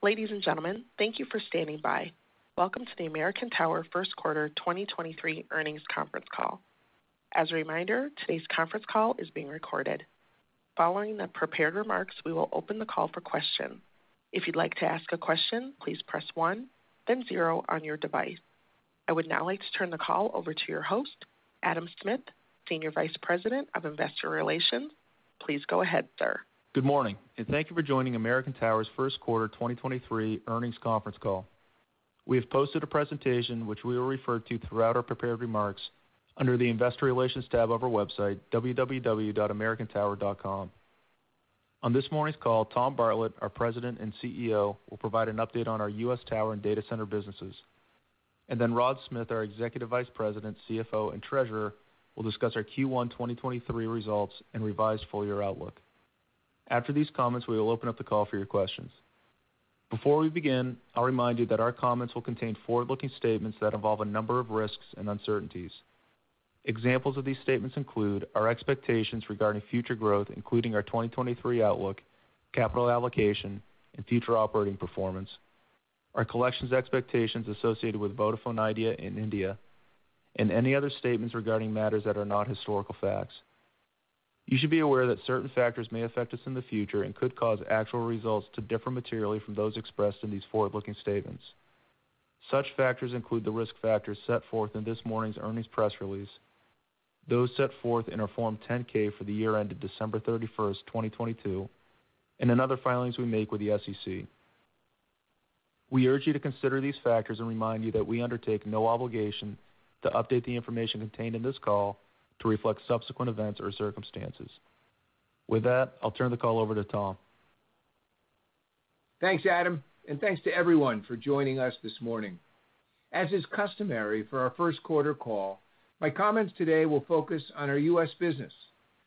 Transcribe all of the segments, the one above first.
Ladies and gentlemen, thank you for standing by. Welcome to the American Tower first quarter 2023 earnings conference call. As a reminder, today's conference call is being recorded. Following the prepared remarks, we will open the call for questions. If you'd like to ask a question, please press one, then zero on your device. I would now like to turn the call over to your host, Adam Smith, Senior Vice President of Investor Relations. Please go ahead, sir. Good morning, and thank you for joining American Tower's first quarter 2023 earnings conference call. We have posted a presentation which we will refer to throughout our prepared remarks under the Investor Relations tab of our website, www.americantower.com. On this morning's call, Tom Bartlett, our President and CEO, will provide an update on our U.S. tower and data center businesses. Rod Smith, our Executive Vice President, CFO, and Treasurer, will discuss our Q1 2023 results and revised full year outlook. After these comments, we will open up the call for your questions. Before we begin, I'll remind you that our comments will contain forward-looking statements that involve a number of risks and uncertainties. Examples of these statements include our expectations regarding future growth, including our 2023 outlook, capital allocation, and future operating performance, our collections expectations associated with Vodafone Idea in India, and any other statements regarding matters that are not historical facts. You should be aware that certain factors may affect us in the future and could cause actual results to differ materially from those expressed in these forward-looking statements. Such factors include the risk factors set forth in this morning's earnings press release, those set forth in our Form 10-K for the year ended December 31st, 2022, and in other filings we make with the SEC. We urge you to consider these factors and remind you that we undertake no obligation to update the information contained in this call to reflect subsequent events or circumstances. I'll turn the call over to Tom. Thanks, Adam, and thanks to everyone for joining us this morning. As is customary for our first quarter call, my comments today will focus on our U.S. business,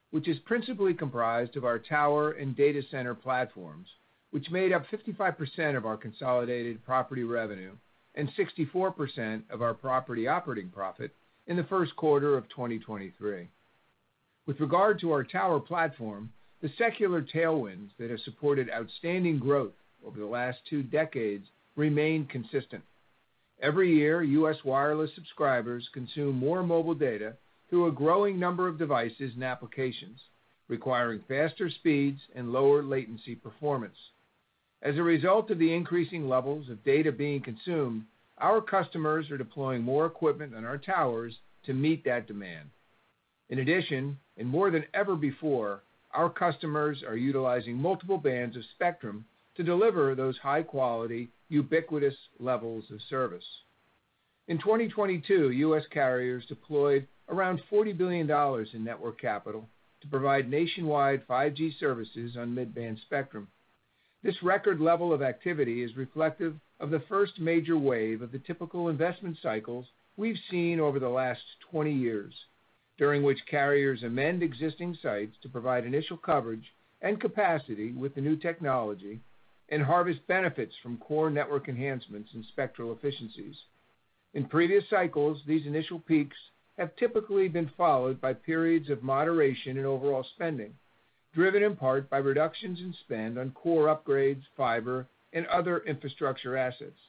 which is principally comprised of our tower and data center platforms, which made up 55% of our consolidated property revenue and 64% of our property operating profit in the first quarter of 2023. With regard to our tower platform, the secular tailwinds that have supported outstanding growth over the last two decades remain consistent. Every year, U.S. wireless subscribers consume more mobile data through a growing number of devices and applications, requiring faster speeds and lower latency performance. As a result of the increasing levels of data being consumed, our customers are deploying more equipment on our towers to meet that demand. In addition, and more than ever before, our customers are utilizing multiple bands of spectrum to deliver those high-quality, ubiquitous levels of service. In 2022, U.S. carriers deployed around $40 billion in network capital to provide nationwide 5G services on mid-band spectrum. This record level of activity is reflective of the first major wave of the typical investment cycles we've seen over the last 20 years, during which carriers amend existing sites to provide initial coverage and capacity with the new technology and harvest benefits from core network enhancements and spectral efficiencies. In previous cycles, these initial peaks have typically been followed by periods of moderation in overall spending, driven in part by reductions in spend on core upgrades, fiber, and other infrastructure assets.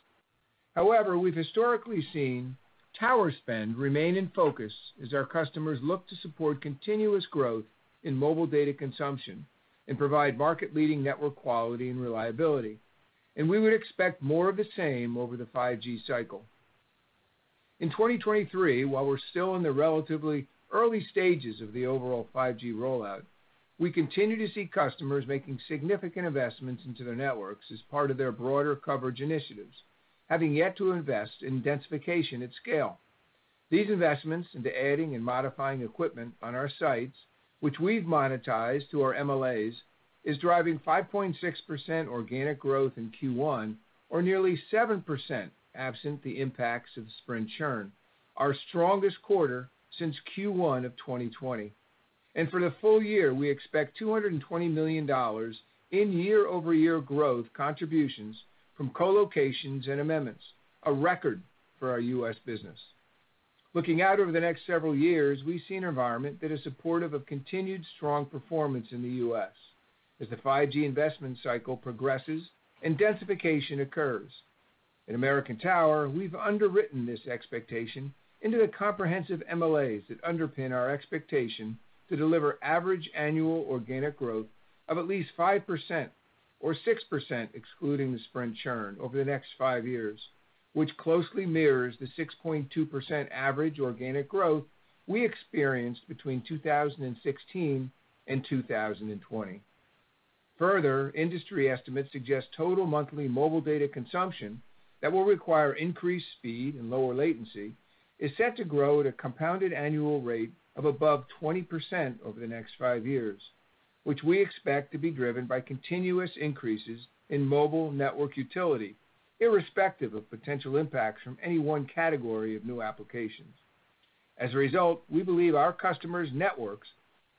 However, we've historically seen tower spend remain in focus as our customers look to support continuous growth in mobile data consumption and provide market-leading network quality and reliability. We would expect more of the same over the 5G cycle. In 2023, while we're still in the relatively early stages of the overall 5G rollout, we continue to see customers making significant investments into their networks as part of their broader coverage initiatives, having yet to invest in densification at scale. These investments into adding and modifying equipment on our sites, which we've monetized through our MLAs, is driving 5.6% organic growth in Q1, or nearly 7% absent the impacts of Sprint churn, our strongest quarter since Q1 of 2020. For the full year, we expect $220 million in year-over-year growth contributions from co-locations and amendments, a record for our U.S. business. Looking out over the next several years, we see an environment that is supportive of continued strong performance in the U.S. as the 5G investment cycle progresses and densification occurs. At American Tower, we've underwritten this expectation into the comprehensive MLAs that underpin our expectation to deliver average annual organic growth of at least 5% or 6% excluding the Sprint churn over the next five years, which closely mirrors the 6.2% average organic growth we experienced between 2016 and 2020. Industry estimates suggest total monthly mobile data consumption that will require increased speed and lower latency is set to grow at a compounded annual rate of above 20% over the next five years, which we expect to be driven by continuous increases in mobile network utility, irrespective of potential impacts from any one category of new applications. As a result, we believe our customers' networks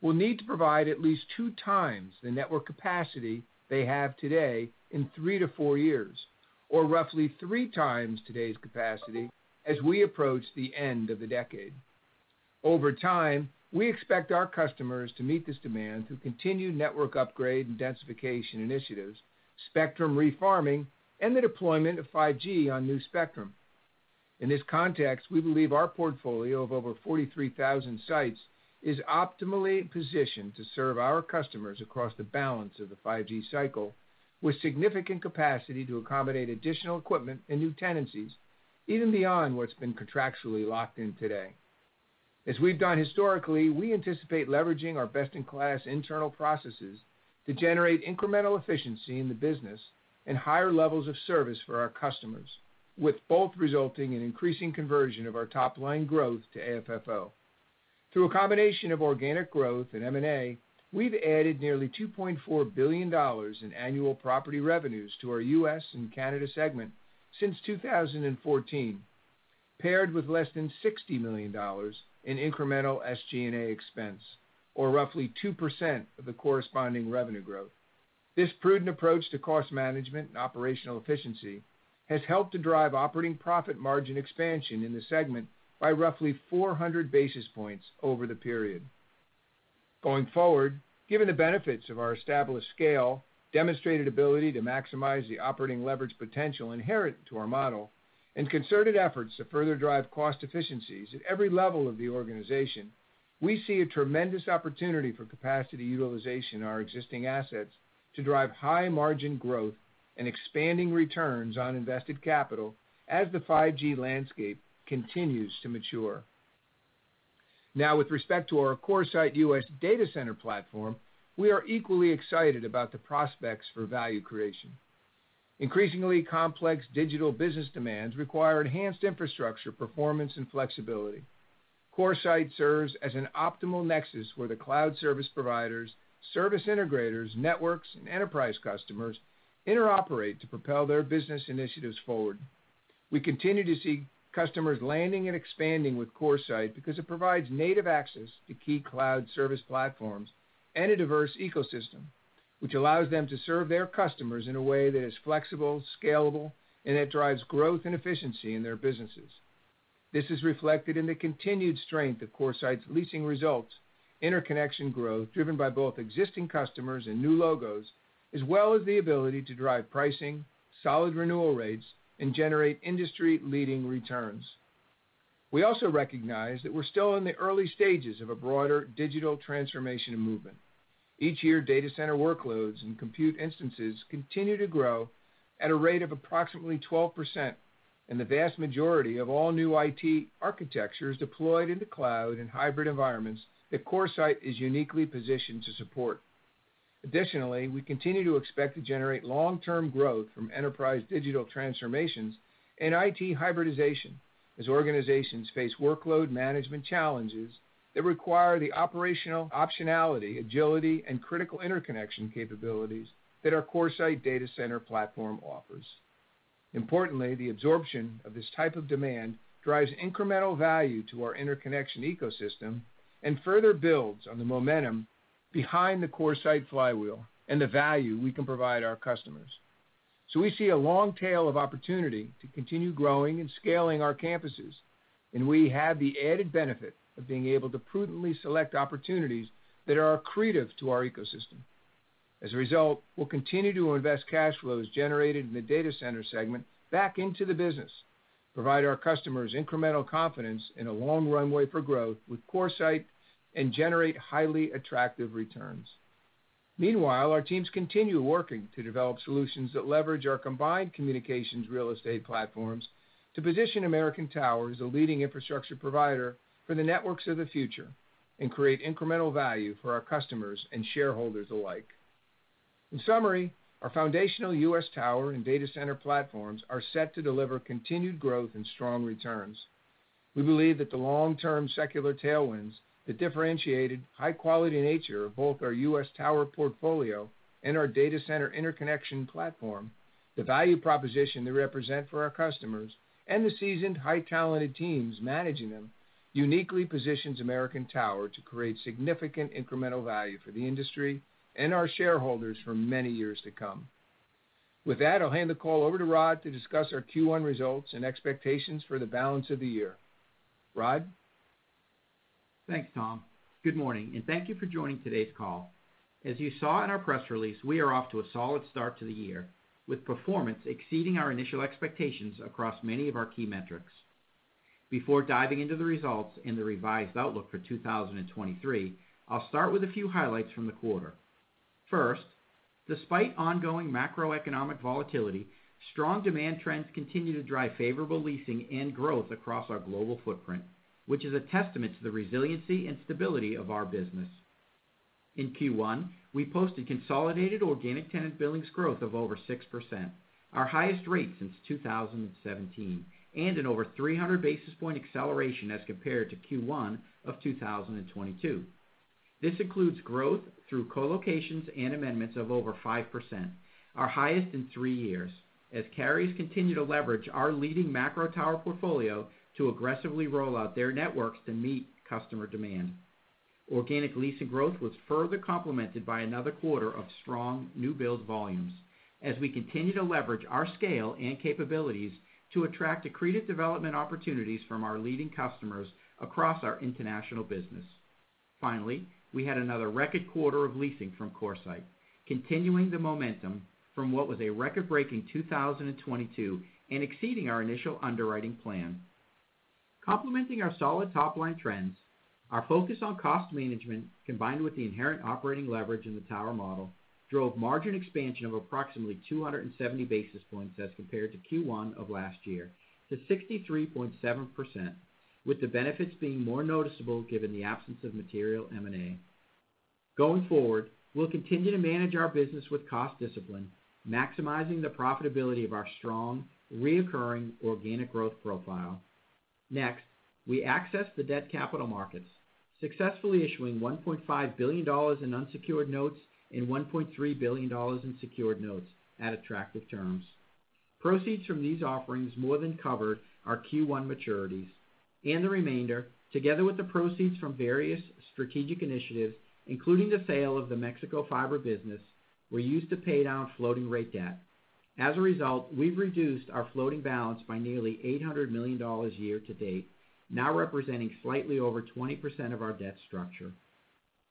will need to provide at least two times the network capacity they have today in three to four years, or roughly three times today's capacity as we approach the end of the decade. Over time, we expect our customers to meet this demand through continued network upgrade and densification initiatives, spectrum refarming, and the deployment of 5G on new spectrum. In this context, we believe our portfolio of over 43,000 sites is optimally positioned to serve our customers across the balance of the 5G cycle, with significant capacity to accommodate additional equipment and new tenancies, even beyond what's been contractually locked in today. As we've done historically, we anticipate leveraging our best-in-class internal processes to generate incremental efficiency in the business and higher levels of service for our customers, with both resulting in increasing conversion of our top-line growth to AFFO. Through a combination of organic growth and M&A, we've added nearly $2.4 billion in annual property revenues to our U.S. and Canada segment since 2014, paired with less than $60 million in incremental SG&A expense, or roughly 2% of the corresponding revenue growth. This prudent approach to cost management and operational efficiency has helped to drive operating profit margin expansion in the segment by roughly 400 basis points over the period. Going forward, given the benefits of our established scale, demonstrated ability to maximize the operating leverage potential inherent to our model, and concerted efforts to further drive cost efficiencies at every level of the organization, we see a tremendous opportunity for capacity utilization in our existing assets to drive high-margin growth and expanding returns on invested capital as the 5G landscape continues to mature. Now, with respect to our CoreSite U.S. data center platform, we are equally excited about the prospects for value creation. Increasingly complex digital business demands require enhanced infrastructure performance and flexibility. CoreSite serves as an optimal nexus where the cloud service providers, service integrators, networks, and enterprise customers interoperate to propel their business initiatives forward. We continue to see customers landing and expanding with CoreSite because it provides native access to key cloud service platforms and a diverse ecosystem, which allows them to serve their customers in a way that is flexible, scalable, and that drives growth and efficiency in their businesses. This is reflected in the continued strength of CoreSite's leasing results, interconnection growth driven by both existing customers and new logos, as well as the ability to drive pricing, solid renewal rates, and generate industry-leading returns. We also recognize that we're still in the early stages of a broader digital transformation movement. Each year, data center workloads and compute instances continue to grow at a rate of approximately 12%, and the vast majority of all new IT architecture is deployed into cloud and hybrid environments that CoreSite is uniquely positioned to support. Additionally, we continue to expect to generate long-term growth from enterprise digital transformations and IT hybridization as organizations face workload management challenges that require the operational optionality, agility, and critical interconnection capabilities that our CoreSite data center platform offers. Importantly, the absorption of this type of demand drives incremental value to our interconnection ecosystem and further builds on the momentum behind the CoreSite flywheel and the value we can provide our customers. We see a long tail of opportunity to continue growing and scaling our campuses, and we have the added benefit of being able to prudently select opportunities that are accretive to our ecosystem. As a result, we'll continue to invest cash flows generated in the data center segment back into the business, provide our customers incremental confidence in a long runway for growth with CoreSite, and generate highly attractive returns. Our teams continue working to develop solutions that leverage our combined communications real estate platforms to position American Tower as a leading infrastructure provider for the networks of the future and create incremental value for our customers and shareholders alike. Our foundational U.S. tower and data center platforms are set to deliver continued growth and strong returns. We believe that the long-term secular tailwinds, the differentiated high-quality nature of both our U.S. tower portfolio and our data center interconnection platform, the value proposition they represent for our customers, and the seasoned, high-talented teams managing them uniquely positions American Tower to create significant incremental value for the industry and our shareholders for many years to come. I'll hand the call over to Rod to discuss our Q1 results and expectations for the balance of the year. Rod? Thanks, Tom Bartlett. Good morning, and thank you for joining today's call. As you saw in our press release, we are off to a solid start to the year, with performance exceeding our initial expectations across many of our key metrics. Before diving into the results and the revised outlook for 2023, I'll start with a few highlights from the quarter. First, despite ongoing macroeconomic volatility, strong demand trends continue to drive favorable leasing and growth across our global footprint, which is a testament to the resiliency and stability of our business. In Q1, we posted consolidated organic tenant billings growth of over 6%, our highest rate since 2017, and an over 300 basis point acceleration as compared to Q1 of 2022. This includes growth through co-locations and amendments of over 5%, our highest in three years, as carriers continue to leverage our leading macro tower portfolio to aggressively roll out their networks to meet customer demand. Organic leasing growth was further complemented by another quarter of strong new build volumes as we continue to leverage our scale and capabilities to attract accretive development opportunities from our leading customers across our international business. Finally, we had another record quarter of leasing from CoreSite, continuing the momentum from what was a record-breaking 2022 and exceeding our initial underwriting plan. Complementing our solid top-line trends, our focus on cost management, combined with the inherent operating leverage in the tower model, drove margin expansion of approximately 270 basis points as compared to Q1 of last year to 63.7%, with the benefits being more noticeable given the absence of material M&A. Going forward, we'll continue to manage our business with cost discipline, maximizing the profitability of our strong reoccurring organic growth profile. We access the debt capital markets, successfully issuing $1.5 billion in unsecured notes and $1.3 billion in secured notes at attractive terms. Proceeds from these offerings more than cover our Q1 maturities. The remainder, together with the proceeds from various strategic initiatives, including the sale of the Mexico fiber business, were used to pay down floating rate debt. As a result, we've reduced our floating balance by nearly $800 million year to date, now representing slightly over 20% of our debt structure.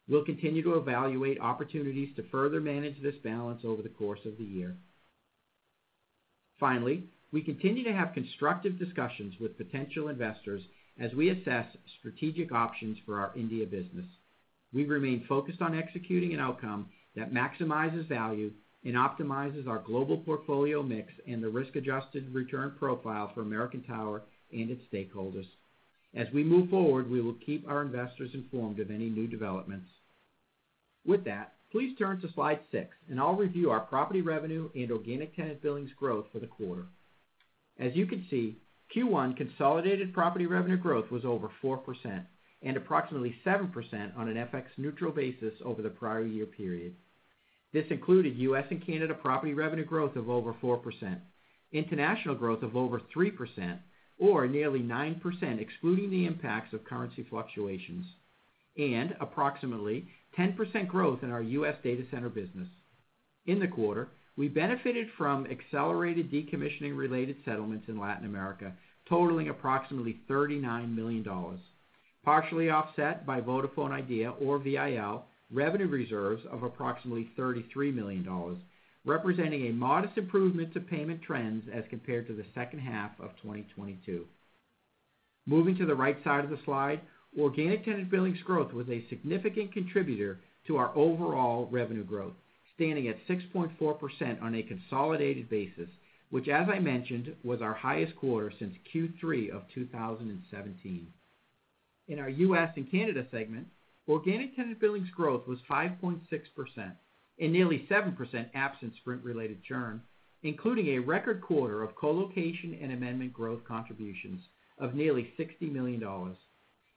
We'll continue to evaluate opportunities to further manage this balance over the course of the year. Finally, we continue to have constructive discussions with potential investors as we assess strategic options for our India business. We remain focused on executing an outcome that maximizes value and optimizes our global portfolio mix and the risk-adjusted return profile for American Tower and its stakeholders. As we move forward, we will keep our investors informed of any new developments. With that, please turn to slide six, and I'll review our property revenue and organic tenant billings growth for the quarter. As you can see, Q1 consolidated property revenue growth was over 4% and approximately 7% on an FX neutral basis over the prior year period. This included U.S. and Canada property revenue growth of over 4%, international growth of over 3%, or nearly 9% excluding the impacts of currency fluctuations, and approximately 10% growth in our U.S. data center business. In the quarter, we benefited from accelerated decommissioning-related settlements in Latin America totaling approximately $39 million, partially offset by Vodafone Idea, or VIL, revenue reserves of approximately $33 million, representing a modest improvement to payment trends as compared to the second half of 2022. Moving to the right side of the slide, organic tenant billings growth was a significant contributor to our overall revenue growth, standing at 6.4% on a consolidated basis, which as I mentioned, was our highest quarter since Q3 of 2017. In our U.S. and Canada segment, organic tenant billings growth was 5.6% and nearly 7% absent Sprint-related churn, including a record quarter of co-location and amendment growth contributions of nearly $60 million,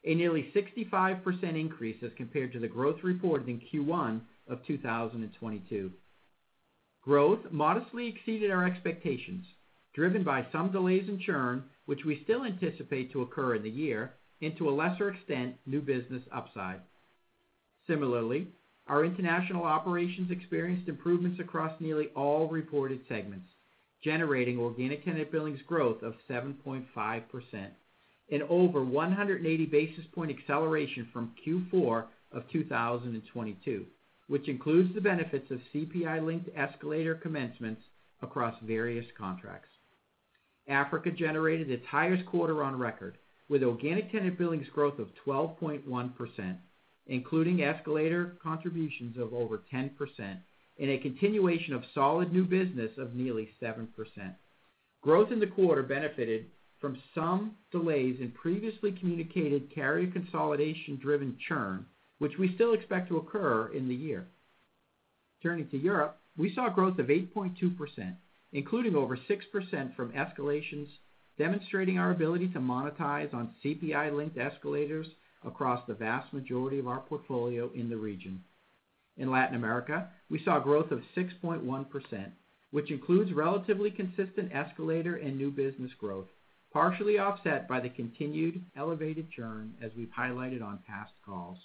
a nearly 65% increase as compared to the growth reported in Q1 of 2022. Growth modestly exceeded our expectations, driven by some delays in churn, which we still anticipate to occur in the year, and to a lesser extent, new business upside. Similarly, our international operations experienced improvements across nearly all reported segments, generating organic tenant billings growth of 7.5%, an over 180 basis point acceleration from Q4 of 2022, which includes the benefits of CPI-linked escalator commencements across various contracts. Africa generated its highest quarter on record, with organic tenant billings growth of 12.1%, including escalator contributions of over 10% and a continuation of solid new business of nearly 7%. Growth in the quarter benefited from some delays in previously communicated carrier consolidation-driven churn, which we still expect to occur in the year. To Europe, we saw growth of 8.2%, including over 6% from escalations, demonstrating our ability to monetize on CPI-linked escalators across the vast majority of our portfolio in the region. In Latin America, we saw growth of 6.1%, which includes relatively consistent escalator and new business growth, partially offset by the continued elevated churn as we've highlighted on past calls.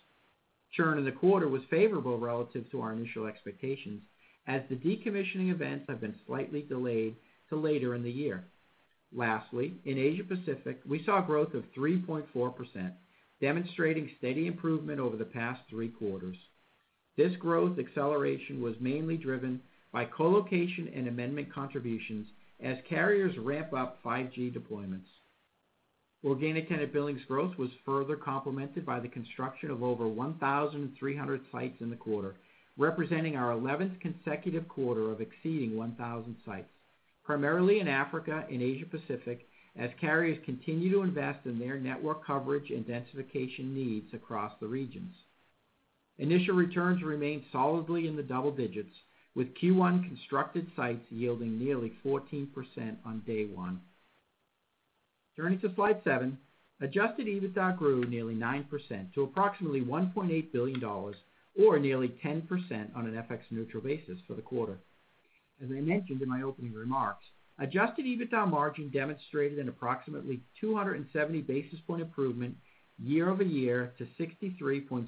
Churn in the quarter was favorable relative to our initial expectations as the decommissioning events have been slightly delayed to later in the year. In Asia Pacific, we saw growth of 3.4%, demonstrating steady improvement over the past three quarters. This growth acceleration was mainly driven by co-location and amendment contributions as carriers ramp up 5G deployments. Organic tenant billings growth was further complemented by the construction of over 1,300 sites in the quarter, representing our 11th consecutive quarter of exceeding 1,000 sites, primarily in Africa and Asia Pacific, as carriers continue to invest in their network coverage and densification needs across the regions. Initial returns remain solidly in the double digits, with Q1 constructed sites yielding nearly 14% on day one. Turning to slide seven, adjusted EBITDA grew nearly 9% to approximately $1.8 billion or nearly 10% on an FX neutral basis for the quarter. As I mentioned in my opening remarks, adjusted EBITDA margin demonstrated an approximately 270 basis point improvement year-over-year to 63.7%,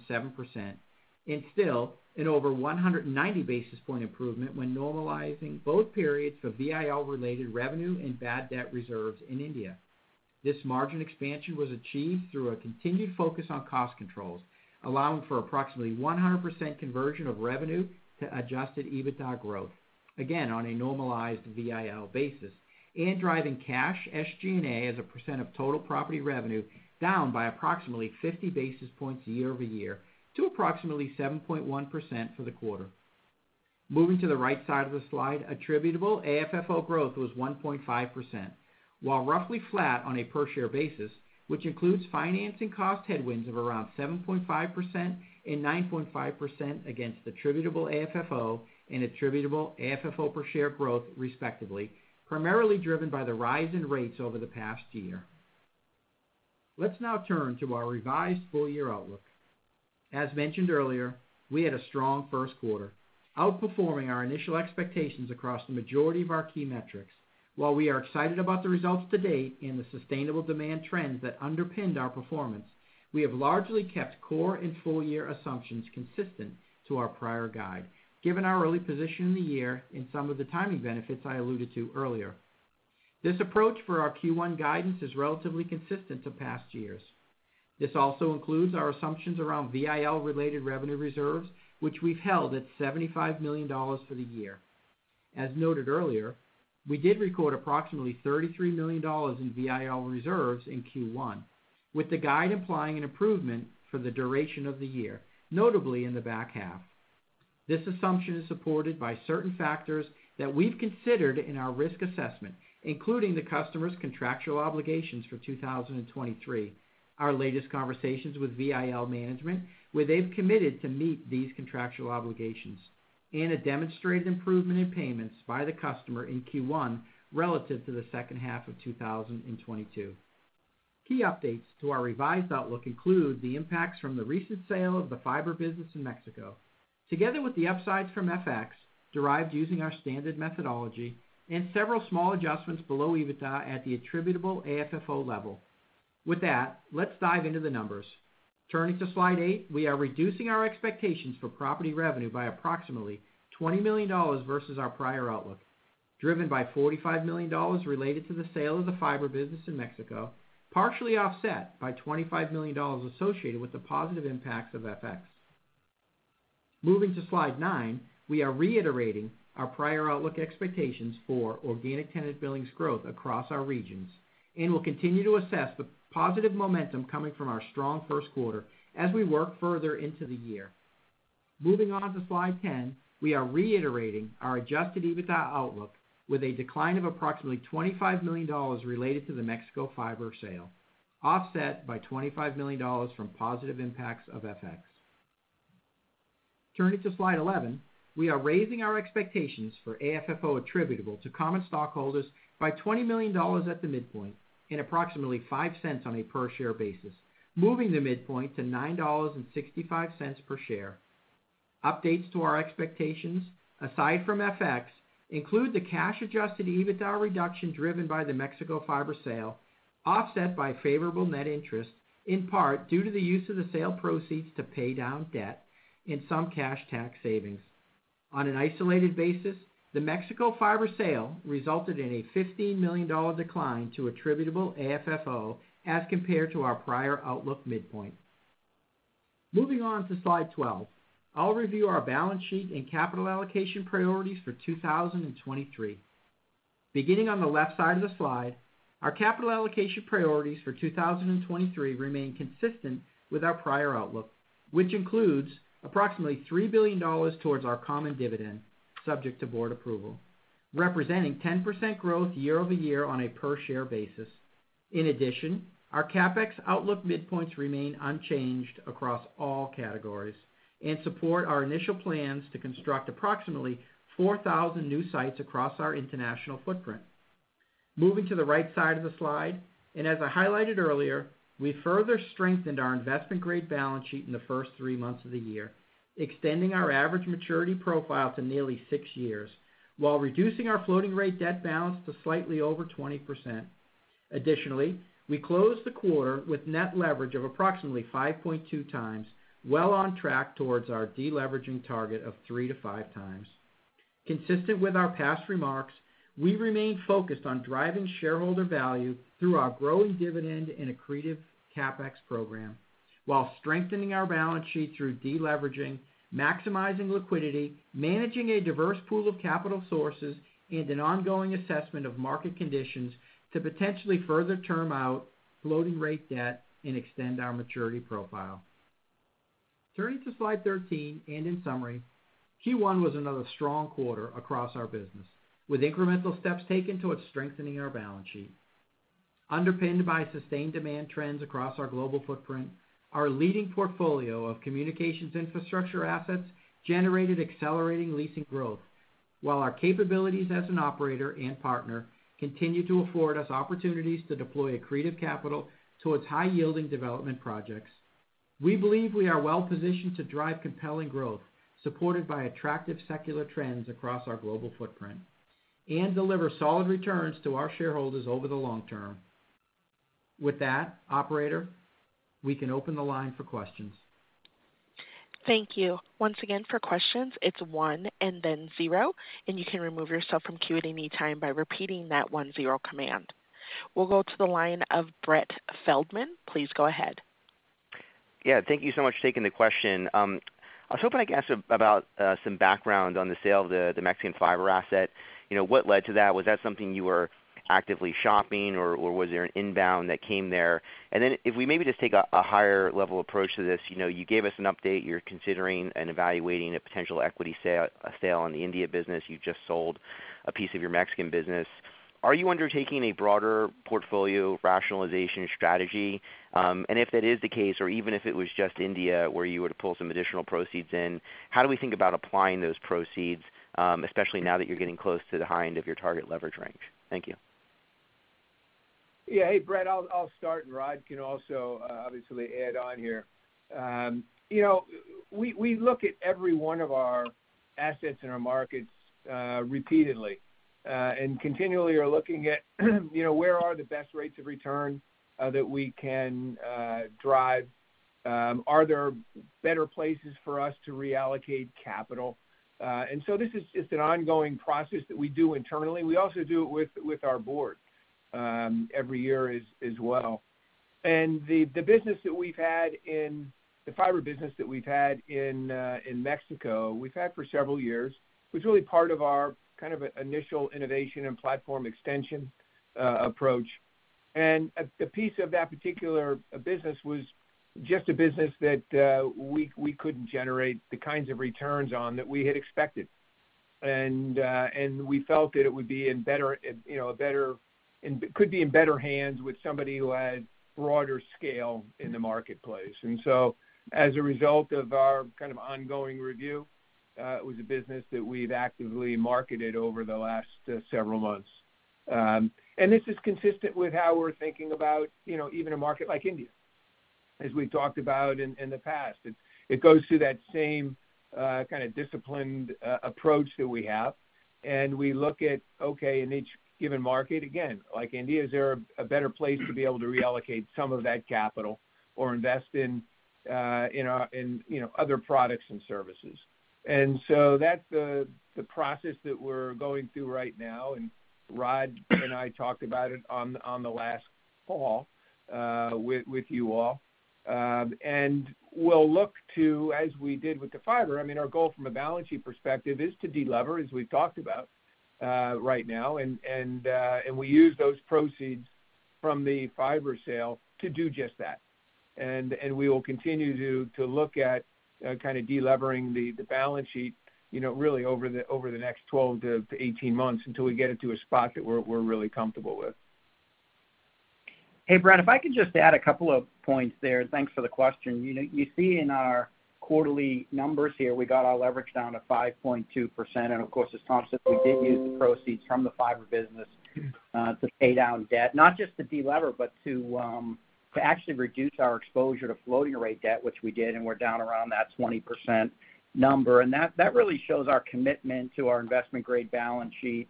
and still an over 190 basis point improvement when normalizing both periods for VIL-related revenue and bad debt reserves in India. This margin expansion was achieved through a continued focus on cost controls, allowing for approximately 100% conversion of revenue to adjusted EBITDA growth, again, on a normalized VIL basis, and driving cash SG&A as a % of total property revenue down by approximately 50 basis points year-over-year to approximately 7.1% for the quarter. Moving to the right side of the slide, attributable AFFO growth was 1.5%, while roughly flat on a per-share basis, which includes financing cost headwinds of around 7.5% and 9.5% against attributable AFFO and attributable AFFO per share growth, respectively, primarily driven by the rise in rates over the past year. Let's now turn to our revised full-year outlook. As mentioned earlier, we had a strong first quarter, outperforming our initial expectations across the majority of our key metrics. While we are excited about the results to date and the sustainable demand trends that underpinned our performance, we have largely kept core and full year assumptions consistent to our prior guide, given our early position in the year and some of the timing benefits I alluded to earlier. This approach for our Q1 guidance is relatively consistent to past years. This also includes our assumptions around VIL-related revenue reserves, which we've held at $75 million for the year. As noted earlier, we did record approximately $33 million in VIL reserves in Q1, with the guide implying an improvement for the duration of the year, notably in the back half. This assumption is supported by certain factors that we've considered in our risk assessment, including the customer's contractual obligations for 2023, our latest conversations with VIL management, where they've committed to meet these contractual obligations, and a demonstrated improvement in payments by the customer in Q1 relative to the second half of 2022. Key updates to our revised outlook include the impacts from the recent sale of the fiber business in Mexico, together with the upsides from FX derived using our standard methodology and several small adjustments below EBITDA at the attributable AFFO level. With that, let's dive into the numbers. Turning to slide eight, we are reducing our expectations for property revenue by approximately $20 million versus our prior outlook, driven by $45 million related to the sale of the fiber business in Mexico, partially offset by $25 million associated with the positive impacts of FX. Moving to slide nine, we are reiterating our prior outlook expectations for organic tenant billings growth across our regions and will continue to assess the positive momentum coming from our strong first quarter as we work further into the year. Moving on to slide 10, we are reiterating our adjusted EBITDA outlook with a decline of approximately $25 million related to the Mexico fiber sale, offset by $25 million from positive impacts of FX. Turning to slide 11, we are raising our expectations for AFFO attributable to common stockholders by $20 million at the midpoint and approximately $0.05 on a per-share basis, moving the midpoint to $9.65 per share. Updates to our expectations, aside from FX, include the cash-adjusted EBITDA reduction driven by the Mexico fiber sale, offset by favorable net interest, in part due to the use of the sale proceeds to pay down debt and some cash tax savings. On an isolated basis, the Mexico fiber sale resulted in a $15 million decline to attributable AFFO as compared to our prior outlook midpoint. Moving on to slide 12, I'll review our balance sheet and capital allocation priorities for 2023. Beginning on the left side of the slide, our capital allocation priorities for 2023 remain consistent with our prior outlook, which includes approximately $3 billion towards our common dividend subject to board approval, representing 10% growth year-over-year on a per-share basis. In addition, our CapEx outlook midpoints remain unchanged across all categories and support our initial plans to construct approximately 4,000 new sites across our international footprint. Moving to the right side of the slide, and as I highlighted earlier, we further strengthened our investment-grade balance sheet in the first three months of the year, extending our average maturity profile to nearly six years while reducing our floating rate debt balance to slightly over 20%. Additionally, we closed the quarter with net leverage of approximately 5.2x, well on track towards our deleveraging target of 3 to 5x. Consistent with our past remarks, we remain focused on driving shareholder value through our growing dividend and accretive CapEx program while strengthening our balance sheet through deleveraging, maximizing liquidity, managing a diverse pool of capital sources, and an ongoing assessment of market conditions to potentially further term out floating rate debt and extend our maturity profile. Turning to slide 13. In summary, Q1 was another strong quarter across our business, with incremental steps taken towards strengthening our balance sheet. Underpinned by sustained demand trends across our global footprint, our leading portfolio of communications infrastructure assets generated accelerating leasing growth, while our capabilities as an operator and partner continue to afford us opportunities to deploy accretive capital towards high-yielding development projects. We believe we are well-positioned to drive compelling growth, supported by attractive secular trends across our global footprint, and deliver solid returns to our shareholders over the long-term. With that, operator, we can open the line for questions. Thank you. Once again, for questions, it's one and then zero, and you can remove yourself from queue at any time by repeating that one-zero command. We'll go to the line of Brett Feldman. Please go ahead. Thank you so much for taking the question. I was hoping I could ask about some background on the sale of the Mexican fiber asset. You know, what led to that? Was that something you were actively shopping, or was there an inbound that came there? If we maybe just take a higher level approach to this, you know, you gave us an update, you're considering and evaluating a potential equity sale on the India business. You just sold a piece of your Mexican business. Are you undertaking a broader portfolio rationalization strategy? If that is the case, or even if it was just India, where you were to pull some additional proceeds in, how do we think about applying those proceeds, especially now that you're getting close to the high end of your target leverage range? Thank you. Yeah. Hey, Brett, I'll start. Rod can also obviously add on here. You know, we look at every one of our assets in our markets repeatedly and continually are looking at, you know, where are the best rates of return that we can drive? Are there better places for us to reallocate capital? This is just an ongoing process that we do internally. We also do it with our board every year as well. The fiber business that we've had in Mexico, we've had for several years. It was really part of our kind of initial innovation and platform extension approach. A piece of that particular business was just a business that we couldn't generate the kinds of returns on that we had expected. We felt that it would be in better, you know, it could be in better hands with somebody who had broader scale in the marketplace. As a result of our kind of ongoing review, it was a business that we've actively marketed over the last several months. This is consistent with how we're thinking about, you know, even a market like India, as we've talked about in the past. It goes through that same kind of disciplined approach that we have, and we look at, okay, in each given market, again, like India, is there a better place to be able to reallocate some of that capital or invest in, you know, other products and services? That's the process that we're going through right now, and Rod and I talked about it on the last call with you all. We'll look to, as we did with the fiber, I mean, our goal from a balance sheet perspective is to delever, as we've talked about, right now. We use those proceeds from the fiber sale to do just that. We will continue to look at, kind of delevering the balance sheet, you know, really over the next 12 to 18 months until we get it to a spot that we're really comfortable with. Hey, Brett, if I could just add a couple of points there. Thanks for the question. You know, you see in our quarterly numbers here, we got our leverage down to 5.2%. Of course, as Tom said, we did use the proceeds from the fiber business to pay down debt, not just to delever, but to actually reduce our exposure to floating rate debt, which we did, and we're down around that 20% number. That really shows our commitment to our investment-grade balance sheet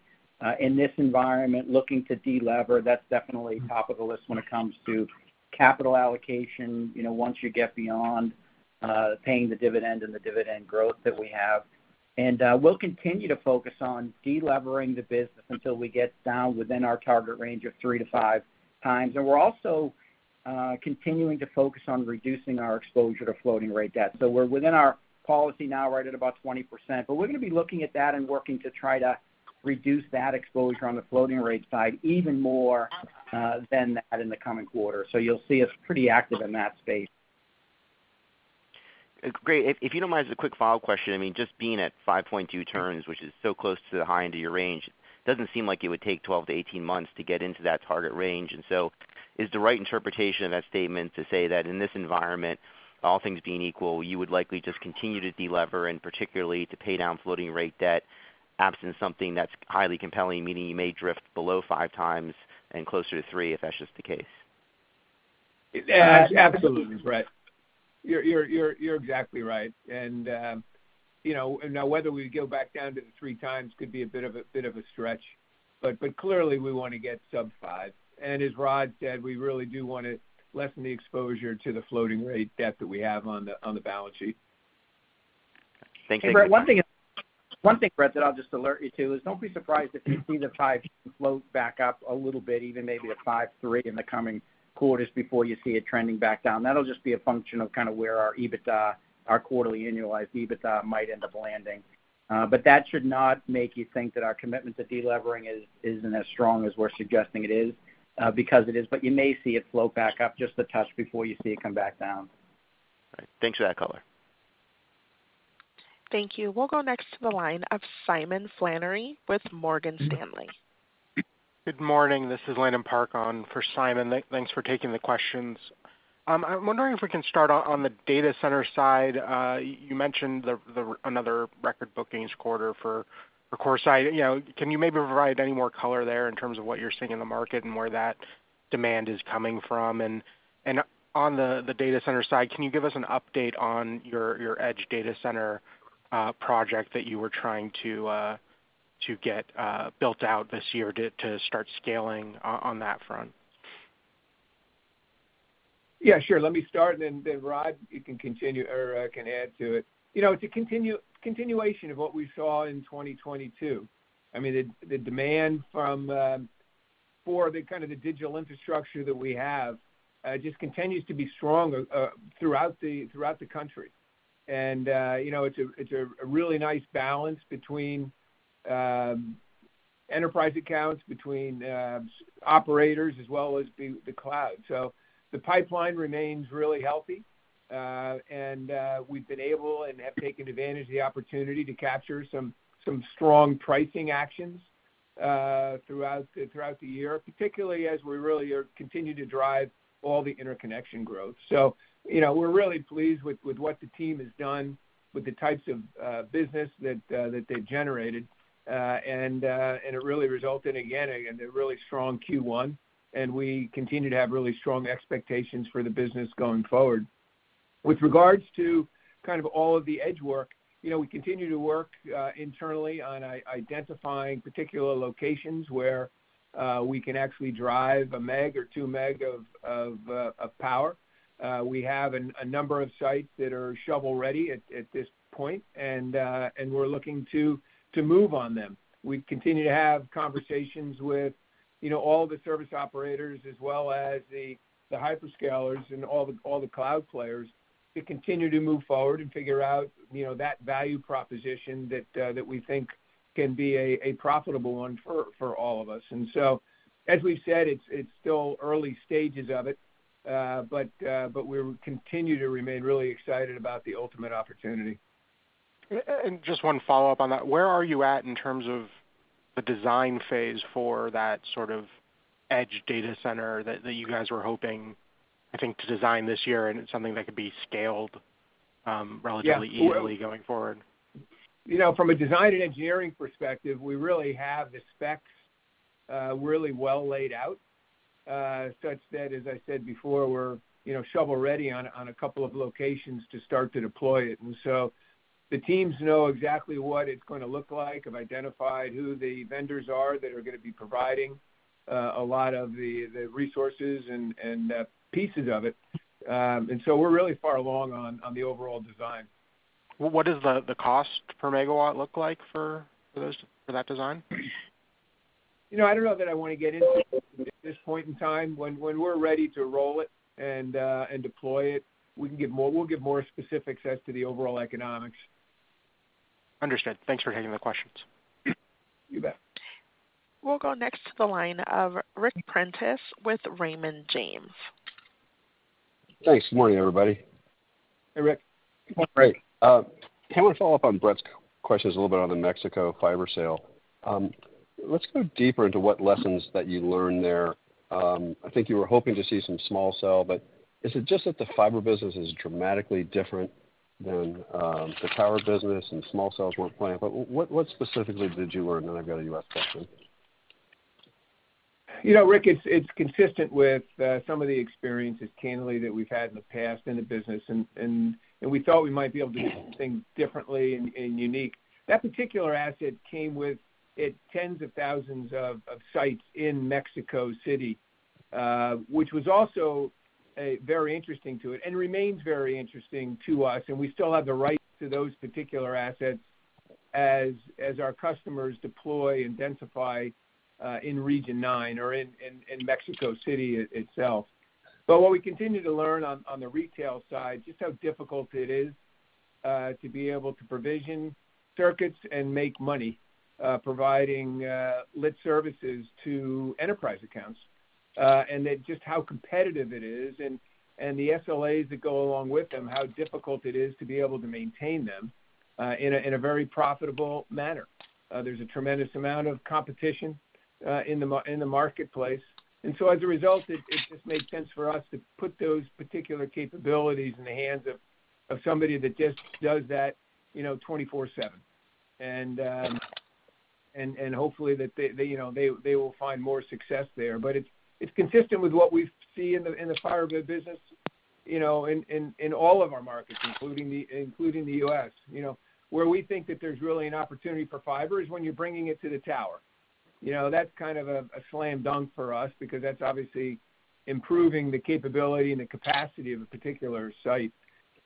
in this environment, looking to delever. That's definitely top of the list when it comes to capital allocation, you know, once you get beyond paying the dividend and the dividend growth that we have. We'll continue to focus on delevering the business until we get down within our target range of 3 to 5x. We're also continuing to focus on reducing our exposure to floating rate debt. We're within our policy now, right at about 20%, but we're gonna be looking at that and working to try to reduce that exposure on the floating rate side even more than that in the coming quarter. You'll see us pretty active in that space. Great. If you don't mind, just a quick follow-up question. I mean, just being at 5.2 turns, which is so close to the high end of your range, doesn't seem like it would take 12 to 18 months to get into that target range. Is the right interpretation of that statement to say that in this environment, all things being equal, you would likely just continue to delever, and particularly to pay down floating rate debt absent something that's highly compelling, meaning you may drift below 5x and closer to 3, if that's just the case? Absolutely, Brett. You're exactly right. you know, now, whether we go back down to the 3x could be a bit of a stretch, but clearly, we wanna get sub five. As Rod said, we really do wanna lessen the exposure to the floating rate debt that we have on the balance sheet. Thank you. Brett, one thing, Brett, that I'll just alert you to is don't be surprised if you see the five float back up a little bit, even maybe a 5.3 in the coming quarters before you see it trending back down. That'll just be a function of kind of where our EBITDA, our quarterly annualized EBITDA might end up landing. But that should not make you think that our commitment to delevering is, isn't as strong as we're suggesting it is, because it is. You may see it float back up just a touch before you see it come back down. All right. Thanks for that color. Thank you. We'll go next to the line of Simon Flannery with Morgan Stanley. Good morning. This is Landon Park on for Simon. Thanks for taking the questions. I'm wondering if we can start on the data center side. You mentioned the another record bookings quarter for CoreSite. You know, can you maybe provide any more color there in terms of what you're seeing in the market and where that demand is coming from? On the data center side, can you give us an update on your edge data center project that you were trying to get built out this year to start scaling on that front? Yeah, sure. Let me start and then Rod, you can continue or can add to it. You know, it's a continuation of what we saw in 2022. I mean, the demand from for the kind of the digital infrastructure that we have just continues to be strong throughout the country. You know, it's a really nice balance between enterprise accounts, between operators as well as the cloud. The pipeline remains really healthy. We've been able and have taken advantage of the opportunity to capture some strong pricing actions throughout the year, particularly as we really are continue to drive all the interconnection growth. You know, we're really pleased with what the team has done with the types of business that they've generated. It really resulted again in a really strong Q1, and we continue to have really strong expectations for the business going forward. With regards to kind of all of the edge work, you know, we continue to work internally on identifying particular locations where we can actually drive a meg or two meg of power. We have a number of sites that are shovel-ready at this point, and we're looking to move on them. We continue to have conversations with, you know, all the service operators as well as the hyperscalers and all the cloud players to continue to move forward and figure out, you know, that value proposition that we think can be a profitable one for all of us. As we said, it's still early stages of it, but we continue to remain really excited about the ultimate opportunity. Just one follow-up on that. Where are you at in terms of the design phase for that sort of edge data center that you guys were hoping, I think, to design this year, and it's something that could be scaled, relatively easily going forward? You know, from a design and engineering perspective, we really have the specs, really well laid out, such that, as I said before, we're, you know, shovel-ready on a couple of locations to start to deploy it. The teams know exactly what it's gonna look like. I've identified who the vendors are that are gonna be providing, a lot of the resources and pieces of it. We're really far along on the overall design. What does the cost per megawatt look like for those for that design? You know, I don't know that I wanna get into it at this point in time. When we're ready to roll it and deploy it, we'll give more specifics as to the overall economics. Understood. Thanks for taking the questions. You bet. We'll go next to the line of Ric Prentiss with Raymond James. Thanks. Good morning, everybody. Hey, Ric. Great. I want to follow-up on Brett's questions a little bit on the Mexico fiber sale. Let's go deeper into what lessons that you learned there. I think you were hoping to see some small cell, but is it just that the fiber business is dramatically different than, the tower business and small cells weren't playing? What specifically did you learn? I've got a U.S. question. You know, Ric, it's consistent with some of the experiences candidly that we've had in the past in the business and we thought we might be able to do something differently and unique. That particular asset came with tens of thousands of sites in Mexico City, which was also very interesting to it and remains very interesting to us, and we still have the rights to those particular assets as our customers deploy and densify in Region IX or in Mexico City itself. What we continue to learn on the retail side, just how difficult it is to be able to provision circuits and make money providing lit services to enterprise accounts, and then just how competitive it is and the SLAs that go along with them, how difficult it is to be able to maintain them in a very profitable manner. There's a tremendous amount of competition in the marketplace. As a result, it just made sense for us to put those particular capabilities in the hands of somebody that just does that, you know, 24/7. Hopefully that they, you know, they will find more success there. It's consistent with what we see in the fiber business, you know, in all of our markets, including the U.S. You know, where we think that there's really an opportunity for fiber is when you're bringing it to the tower. You know, that's kind of a slam dunk for us because that's obviously improving the capability and the capacity of a particular site.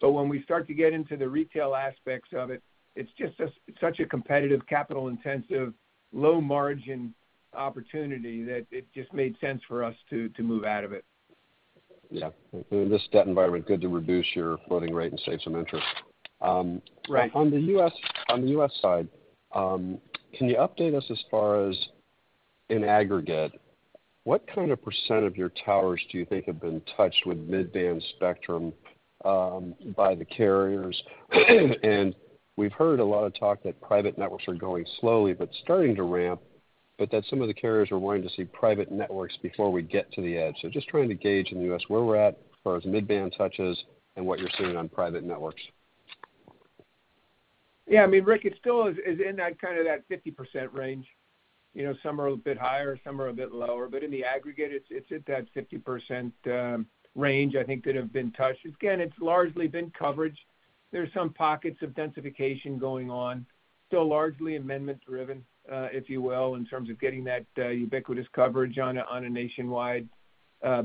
When we start to get into the retail aspects of it's just such a competitive, capital-intensive, low-margin opportunity that it just made sense for us to move out of it. In this debt environment, good to reduce your floating rate and save some interest. Right. On the U.S. side, can you update us as far as in aggregate, what kind of percent of your towers do you think have been touched with mid-band spectrum, by the carriers? We've heard a lot of talk that private networks are going slowly, but starting to ramp, but that some of the carriers are wanting to see private networks before we get to the edge. Just trying to gauge in the U.S. where we're at as far as mid-band touches and what you're seeing on private networks. Yeah. I mean, Ric, it still is in that kind of that 50% range. You know, some are a bit higher, some are a bit lower. In the aggregate, it's at that 50% range, I think, that have been touched. Again, it's largely been coverage. There's some pockets of densification going on. So largely amendment-driven, if you will, in terms of getting that ubiquitous coverage on a nationwide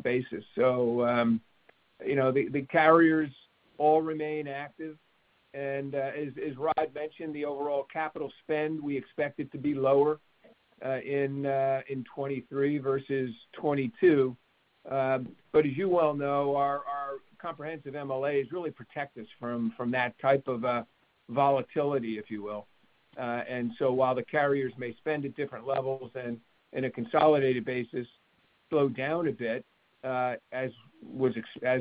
basis. You know, the carriers all remain active. As Rod mentioned, the overall CapEx spend, we expect it to be lower in 2023 versus 2022. As you well know, our comprehensive MLA has really protect us from that type of volatility, if you will. While the carriers may spend at different levels and in a consolidated basis slow down a bit, as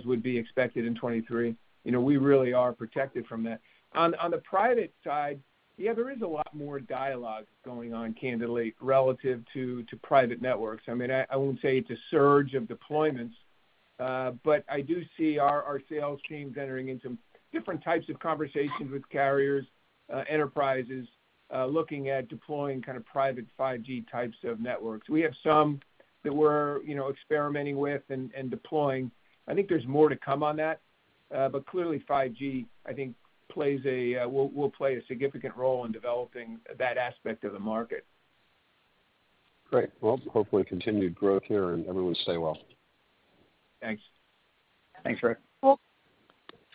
would be expected in 2023, you know, we really are protected from that. On the private side, yeah, there is a lot more dialogue going on candidly relative to private networks. I mean, I won't say it's a surge of deployments, but I do see our sales teams entering into different types of conversations with carriers, enterprises, looking at deploying kind of private 5G types of networks. We have some that we're, you know, experimenting with and deploying. I think there's more to come on that. Clearly 5G, I think plays a, will play a significant role in developing that aspect of the market. Great. Well, hopefully continued growth here, and everyone stay well. Thanks. Thanks, Ric.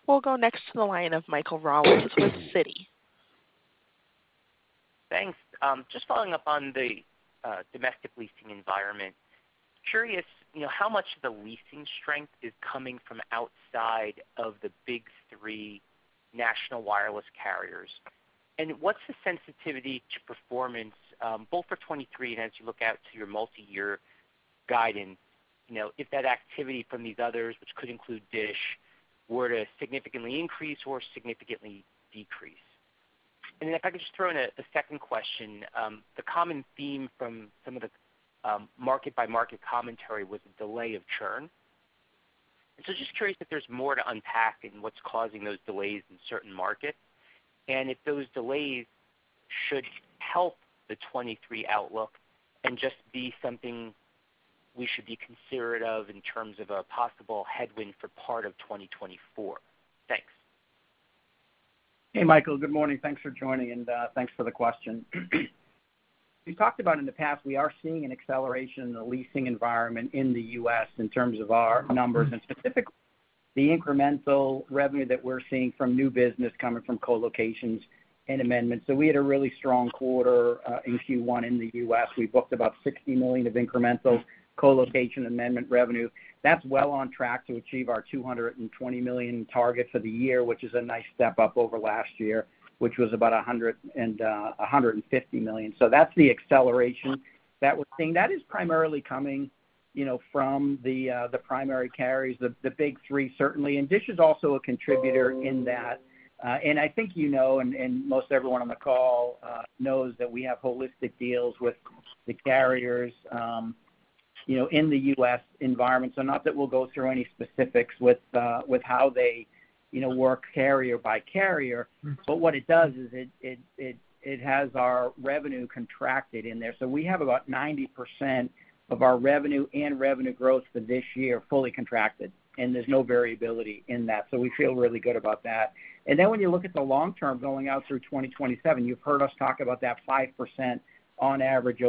We'll go next to the line of Michael Rollins with Citi. Thanks. Just following up on the domestic leasing environment. Curious, you know, how much of the leasing strength is coming from outside of the big three national wireless carriers. What's the sensitivity to performance, both for 2023, and as you look out to your multiyear guidance, you know, if that activity from these others, which could include DISH, were to significantly increase or significantly decrease? If I could just throw in a second question. The common theme from some of the market-by-market commentary was a delay of churn. Just curious if there's more to unpack in what's causing those delays in certain markets, and if those delays should help the 2023 outlook and just be something we should be considerate of in terms of a possible headwind for part of 2024. Thanks. Hey, Michael. Good morning. Thanks for joining, and thanks for the question. We talked about in the past, we are seeing an acceleration in the leasing environment in the U.S. in terms of our numbers, and specifically the incremental revenue that we're seeing from new business coming from co-locations and amendments. We had a really strong quarter in Q1 in the U.S. We booked about $60 million of incremental co-location amendment revenue. That's well on track to achieve our $220 million target for the year, which is a nice step up over last year, which was about $150 million. That's the acceleration that we're seeing. That is primarily coming, you know, from the primary carriers, the big three certainly. DISH is also a contributor in that. I think you know, and most everyone on the call knows that we have holistic deals with the carriers, you know, in the U.S. environment. Not that we'll go through any specifics with how they, you know, work carrier by carrier. What it does is it has our revenue contracted in there. We have about 90% of our revenue and revenue growth for this year fully contracted, and there's no variability in that. We feel really good about that. When you look at the long-term going out through 2027, you've heard us talk about that 5% on average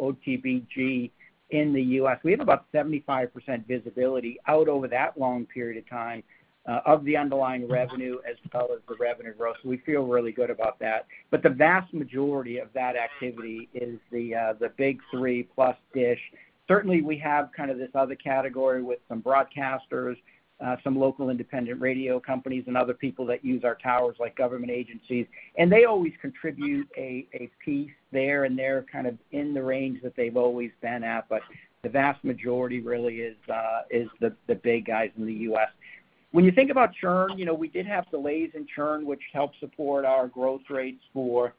OTBG in the U.S. We have about 75% visibility out over that long period of time of the underlying revenue as well as the revenue growth. We feel really good about that. The vast majority of that activity is the big three plus DISH. Certainly, we have kind of this other category with some broadcasters, some local independent radio companies and other people that use our towers, like government agencies, and they always contribute a piece there, and they're kind of in the range that they've always been at. The vast majority really is the big guys in the U.S. When you think about churn, you know, we did have delays in churn, which helped support our growth rates for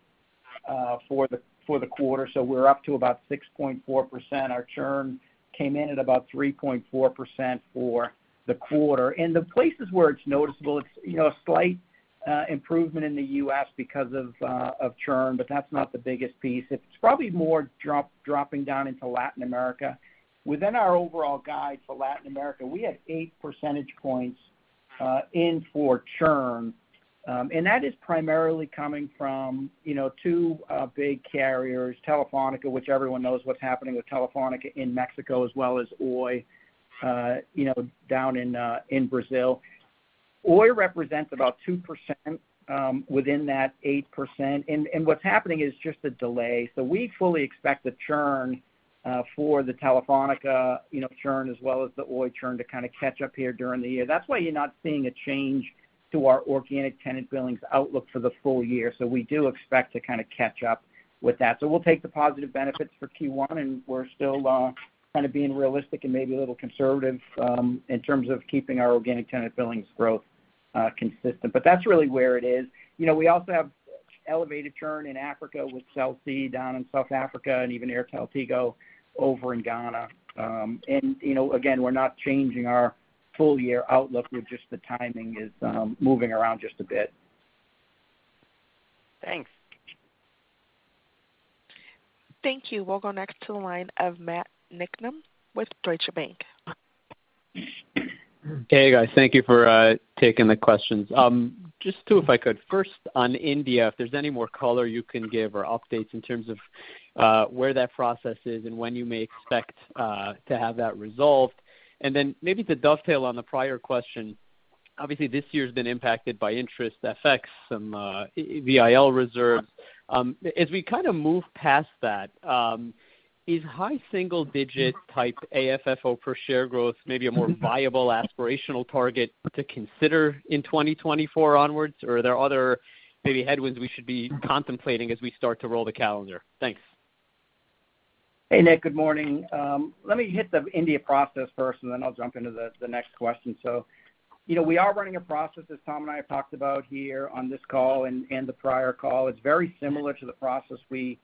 the quarter. We're up to about 6.4%. Our churn came in at about 3.4% for the quarter. The places where it's noticeable, it's, you know, a slight improvement in the U.S. because of churn, but that's not the biggest piece. It's probably more dropping down into Latin America. Within our overall guide for Latin America, we had 8 percentage points in for churn. That is primarily coming from, you know, two big carriers, Telefónica, which everyone knows what's happening with Telefónica in Mexico, as well as Oi, you know, down in Brazil. Oi represents about 2%, within that 8%. What's happening is just a delay. We fully expect the churn for the Telefónica, you know, churn as well as the Oi churn to kind of catch-up here during the year. That's why you're not seeing a change to our organic tenant billings outlook for the full year. We do expect to kind of catch-up with that. We'll take the positive benefits for Q1, and we're still kind of being realistic and maybe a little conservative in terms of keeping our organic tenant billings growth consistent. That's really where it is. You know, we also have elevated churn in Africa with Cell C down in South Africa and even AirtelTigo over in Ghana. You know, again, we're not changing our full year outlook with just the timing is moving around just a bit. Thanks. Thank you. We'll go next to the line of Matt Niknam with Deutsche Bank. Hey, guys. Thank you for taking the questions. Just two, if I could. First, on India, if there's any more color you can give or updates in terms of where that process is and when you may expect to have that resolved. Maybe to dovetail on the prior question, obviously, this year's been impacted by interest, FX, some VIL reserves. As we kind of move past that, is high single digit type AFFO per share growth maybe a more viable aspirational target to consider in 2024 onwards, or are there other maybe headwinds we should be contemplating as we start to roll the calendar? Thanks. Hey, Nik. Good morning. Let me hit the India process first, and then I'll jump into the next question. You know, we are running a process, as Tom and I have talked about here on this call and the prior call. It's very similar to the process we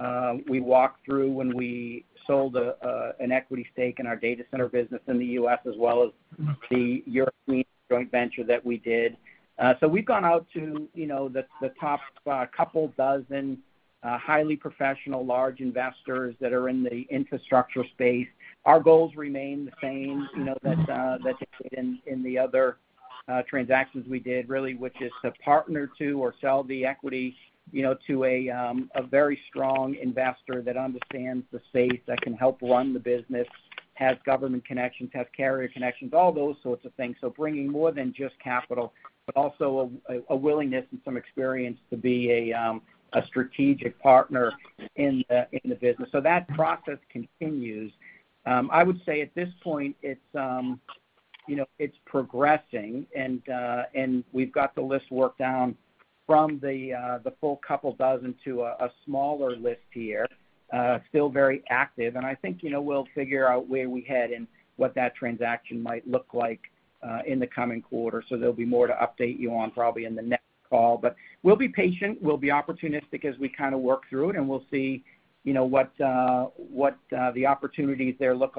walked through when we sold an equity stake in our data center business in the U.S., as well as the European joint venture that we did. We've gone out to, you know, the top couple dozen highly professional, large investors that are in the infrastructure space. Our goals remains same, you know, that in the other transactions we did, really, which is to partner or sell the equity, you know, to a very strong investor that understands the space, that can help run the business, has government connections, has carrier connections, all those sorts of things. So bringing more than just capital, but also a willingness and some experience to be a strategic partner in the business. So that process continues. I would say at this point it's, you know, it's progressing and we've got the list worked down from the full couple dozen to a smaller list here, still very active. And I think, you know, we'll figure out where we head and what that transaction might look like in the coming quarter. There'll be more to update you on probably in the next call. We'll be patient, we'll be opportunistic as we kind of work through it, and we'll see, you know, what the opportunities there look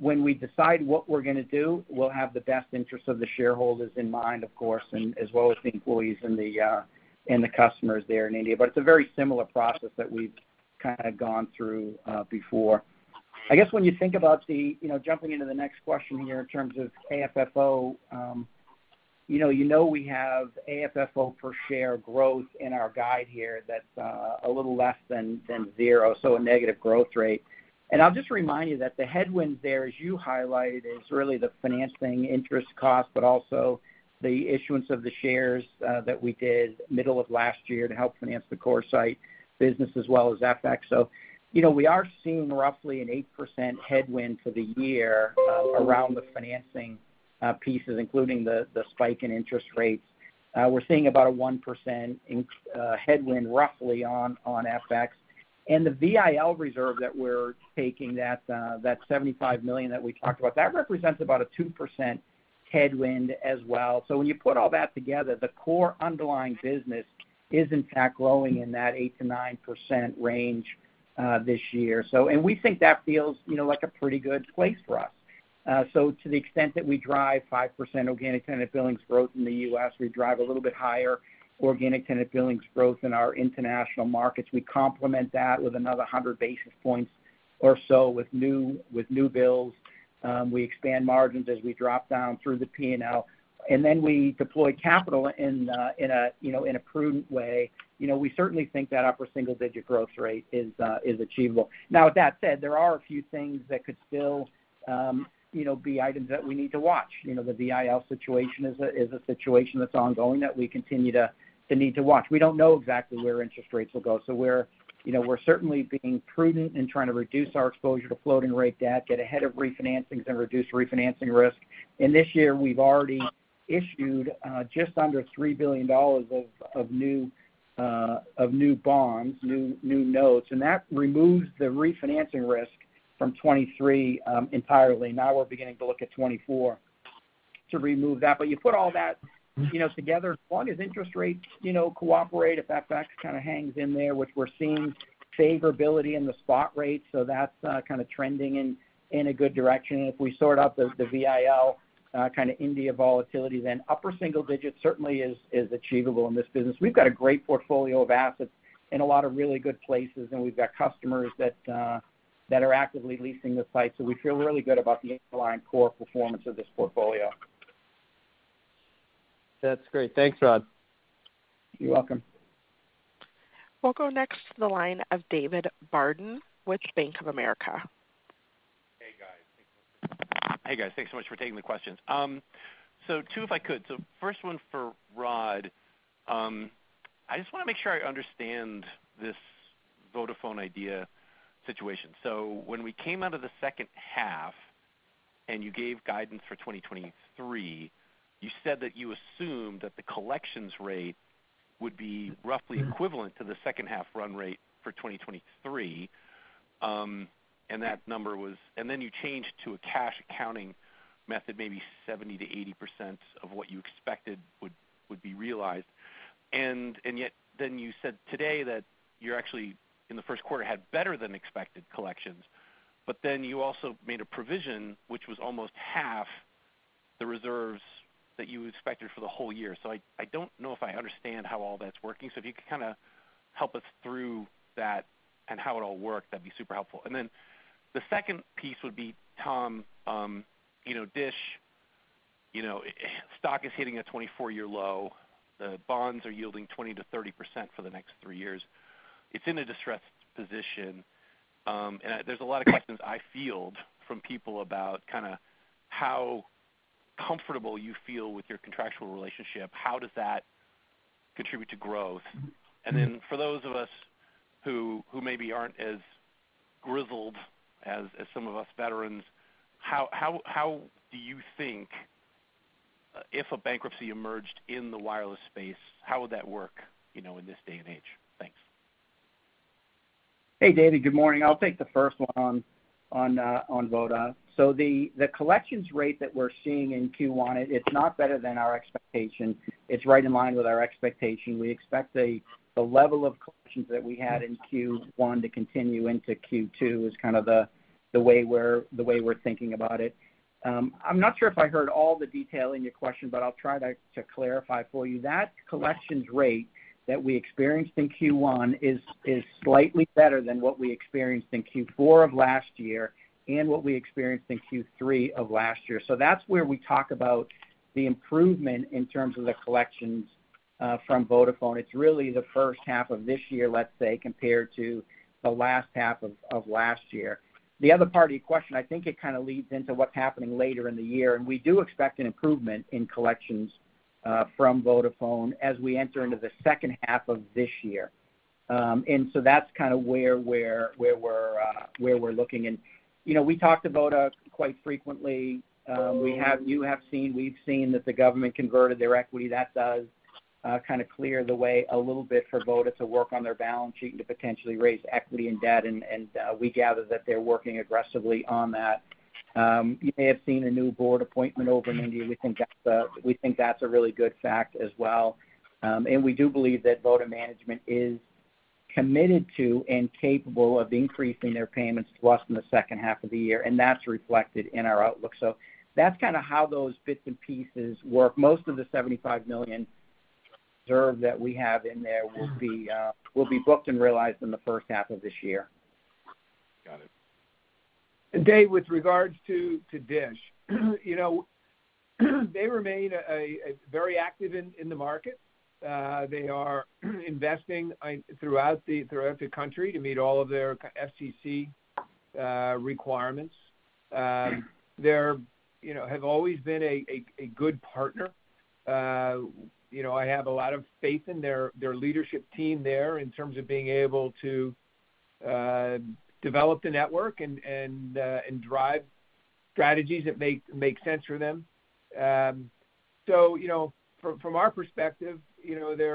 like. When we decide what we're gonna do, we'll have the best interest of the shareholders in mind, of course, and as well as the employees and the customers there in India. It's a very similar process that we've kind of gone through before. You know, jumping into the next question here in terms of AFFO, you know, we have AFFO per share growth in our guide here that's a little less than zero, so a negative growth rate. I'll just remind you that the headwinds there, as you highlighted, is really the financing interest cost, but also the issuance of the shares that we did middle of last year to help finance the CoreSite business as well as FX. You know, we are seeing roughly an 8% headwind for the year around the financing pieces, including the spike in interest rates. We're seeing about a 1% headwind roughly on FX. The VIL reserve that we're taking, that $75 million that we talked about, that represents about a 2% headwind as well. When you put all that together, the core underlying business is in fact growing in that 8%-9% range this year. We think that feels, you know, like a pretty good place for us. To the extent that we drive 5% organic tenant billings growth in the U.S., we drive a little bit higher organic tenant billings growth in our international markets. We complement that with another 100 basis points or so with new builds. We expand margins as we drop down through the P&L, we deploy capital in a, you know, in a prudent way. You know, we certainly think that upper single-digit growth rate is achievable. Now, with that said, there are a few things that could still, you know, be items that we need to watch. You know, the VIL situation is a situation that's ongoing that we continue to need to watch. We don't know exactly where interest rates will go, so we're, you know, certainly being prudent in trying to reduce our exposure to floating rate debt, get ahead of refinancings, and reduce refinancing risk. This year, we've already issued just under $3 billion of new bonds, new notes, and that removes the refinancing risk from 2023 entirely. We're beginning to look at 2024 to remove that. You put all that, you know, together, as long as interest rates, you know, cooperate, if FX kind of hangs in there, which we're seeing favorability in the spot rates, so that's kind of trending in a good direction. If we sort out the VIL kind of India volatility, then upper single digits certainly is achievable in this business. We've got a great portfolio of assets in a lot of really good places. We've got customers that are actively leasing the site. We feel really good about the underlying core performance of this portfolio. That's great. Thanks, Rod. You're welcome. We'll go next to the line of David Barden with Bank of America. Hey, guys, thanks so much for taking the questions. Two, if I could. First one for Rod. I just wanna make sure I understand this Vodafone Idea situation. When we came out of the second half and you gave guidance for 2023, you said that you assumed that the collections rate would be roughly equivalent to the second half run rate for 2023. Then you changed to a cash accounting method, maybe 70%-80% of what you expected would be realized. Yet then you said today that you're actually, in the first quarter, had better than expected collections. You also made a provision which was almost half the reserves that you expected for the whole year. I don't know if I understand how all that's working. If you could kinda help us through that and how it all worked, that'd be super helpful. The second piece would be, Tom, you know, DISH, you know, stock is hitting a 24-year low. The bonds are yielding 20%-30% for the next three years. It's in a distressed position, there's a lot of questions I field from people about kinda how comfortable you feel with your contractual relationship. How does that contribute to growth? For those of us who maybe aren't as grizzled as some of us veterans, how do you think, if a bankruptcy emerged in the wireless space, how would that work, you know, in this day and age? Thanks. Hey, David. Good morning. I'll take the first one on Voda. The collections rate that we're seeing in Q1, it's not better than our expectation. It's right in line with our expectation. We expect the level of collections that we had in Q1 to continue into Q2, is kind of the way we're thinking about it. I'm not sure if I heard all the detail in your question, I'll try to clarify for you. That collections rate that we experienced in Q1 is slightly better than what we experienced in Q4 of last year and what we experienced in Q3 of last year. That's where we talk about the improvement in terms of the collections from Vodafone. It's really the first half of this year, let's say, compared to the last half of last year. The other part of your question, I think it kinda leads into what's happening later in the year. We do expect an improvement in collections from Vodafone as we enter into the second half of this year. That's kinda where we're looking. You know, we talked about quite frequently, we've seen that the government converted their equity. That does kinda clear the way a little bit for Voda to work on their balance sheet and to potentially raise equity and debt, and we gather that they're working aggressively on that. You may have seen a new board appointment over in India. We think that's a really good fact as well. We do believe that Voda management is committed to and capable of increasing their payments to us in the second half of the year, and that's reflected in our outlook. That's kinda how those bits and pieces work. Most of the $75 million reserve that we have in there will be booked and realized in the first half of this year. Got it. Dave, with regards to DISH. You know, they remain a very active in the market. They are investing throughout the country to meet all of their FCC requirements. They're, you know, have always been a good partner. You know, I have a lot of faith in their leadership team there in terms of being able to develop the network and drive strategies that make sense for them. So, you know, from our perspective, you know, they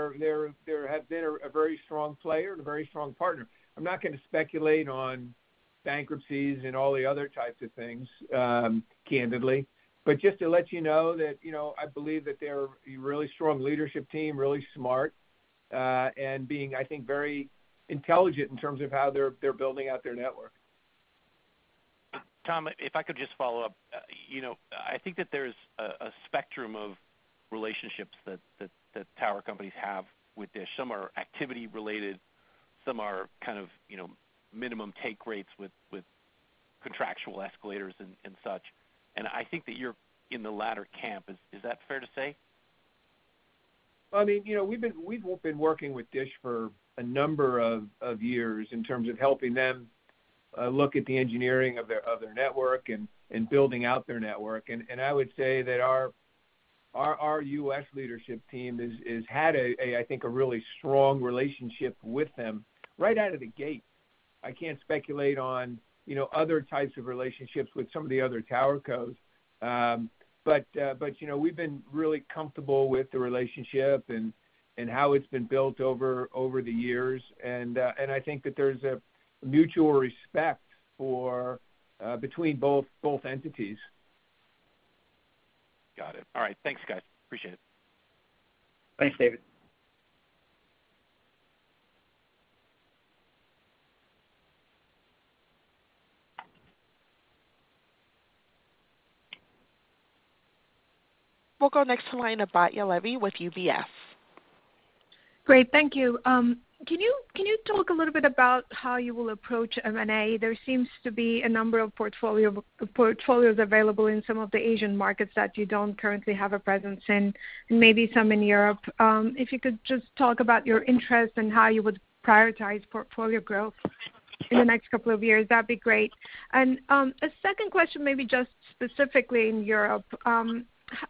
have been a very strong player and a very strong partner. I'm not gonna speculate on bankruptcies and all the other types of things, candidly. Just to let you know that, you know, I believe that they're a really strong leadership team, really smart, and being, I think, very intelligent in terms of how they're building out their network. Tom, if I could just follow-up. You know, I think that there's a spectrum of relationships that tower companies have with DISH. Some are activity related, some are kind of, you know, minimum take rates with contractual escalators and such. I think that you're in the latter camp. Is that fair to say? I mean, you know, we've been working with DISH for a number of years in terms of helping them look at the engineering of their network and building out their network. I would say that our U.S. leadership team has had a, I think, a really strong relationship with them right out of the gate. I can't speculate on, you know, other types of relationships with some of the other tower cos. But, you know, we've been really comfortable with the relationship and how it's been built over the years. I think that there's a mutual respect for between both entities. Got it. All right. Thanks, guys. Appreciate it. Thanks, David. We'll go next to the line of Batya Levi with UBS. Great. Thank you. Can you talk a little bit about how you will approach M&A? There seems to be a number of portfolios available in some of the Asian markets that you don't currently have a presence in, and maybe some in Europe. If you could just talk about your interest and how you would prioritize portfolio growth in the next couple of years, that'd be great. A second question maybe just specifically in Europe.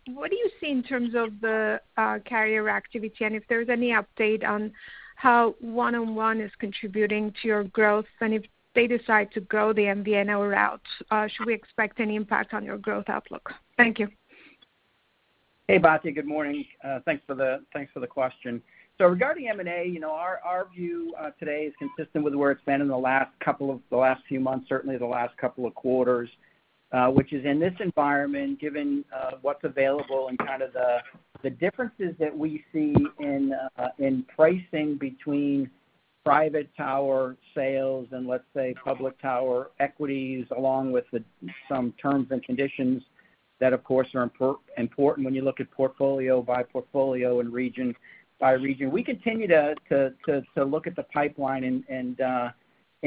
What do you see in terms of the carrier activity? If there's any update on how 1&1 is contributing to your growth? If they decide to grow the MVNO route, should we expect any impact on your growth outlook? Thank you. Hey, Batya. Good morning. thanks for the question. regarding M&A, you know, our view today is consistent with where it's been in the last few months, certainly the last couple of quarters, which is in this environment, given what's available and kind of the differences that we see in pricing between private tower sales and, let's say, public tower equities, along with some terms and conditions that of course are important when you look at portfolio by portfolio and region by region. We continue to look at the pipeline and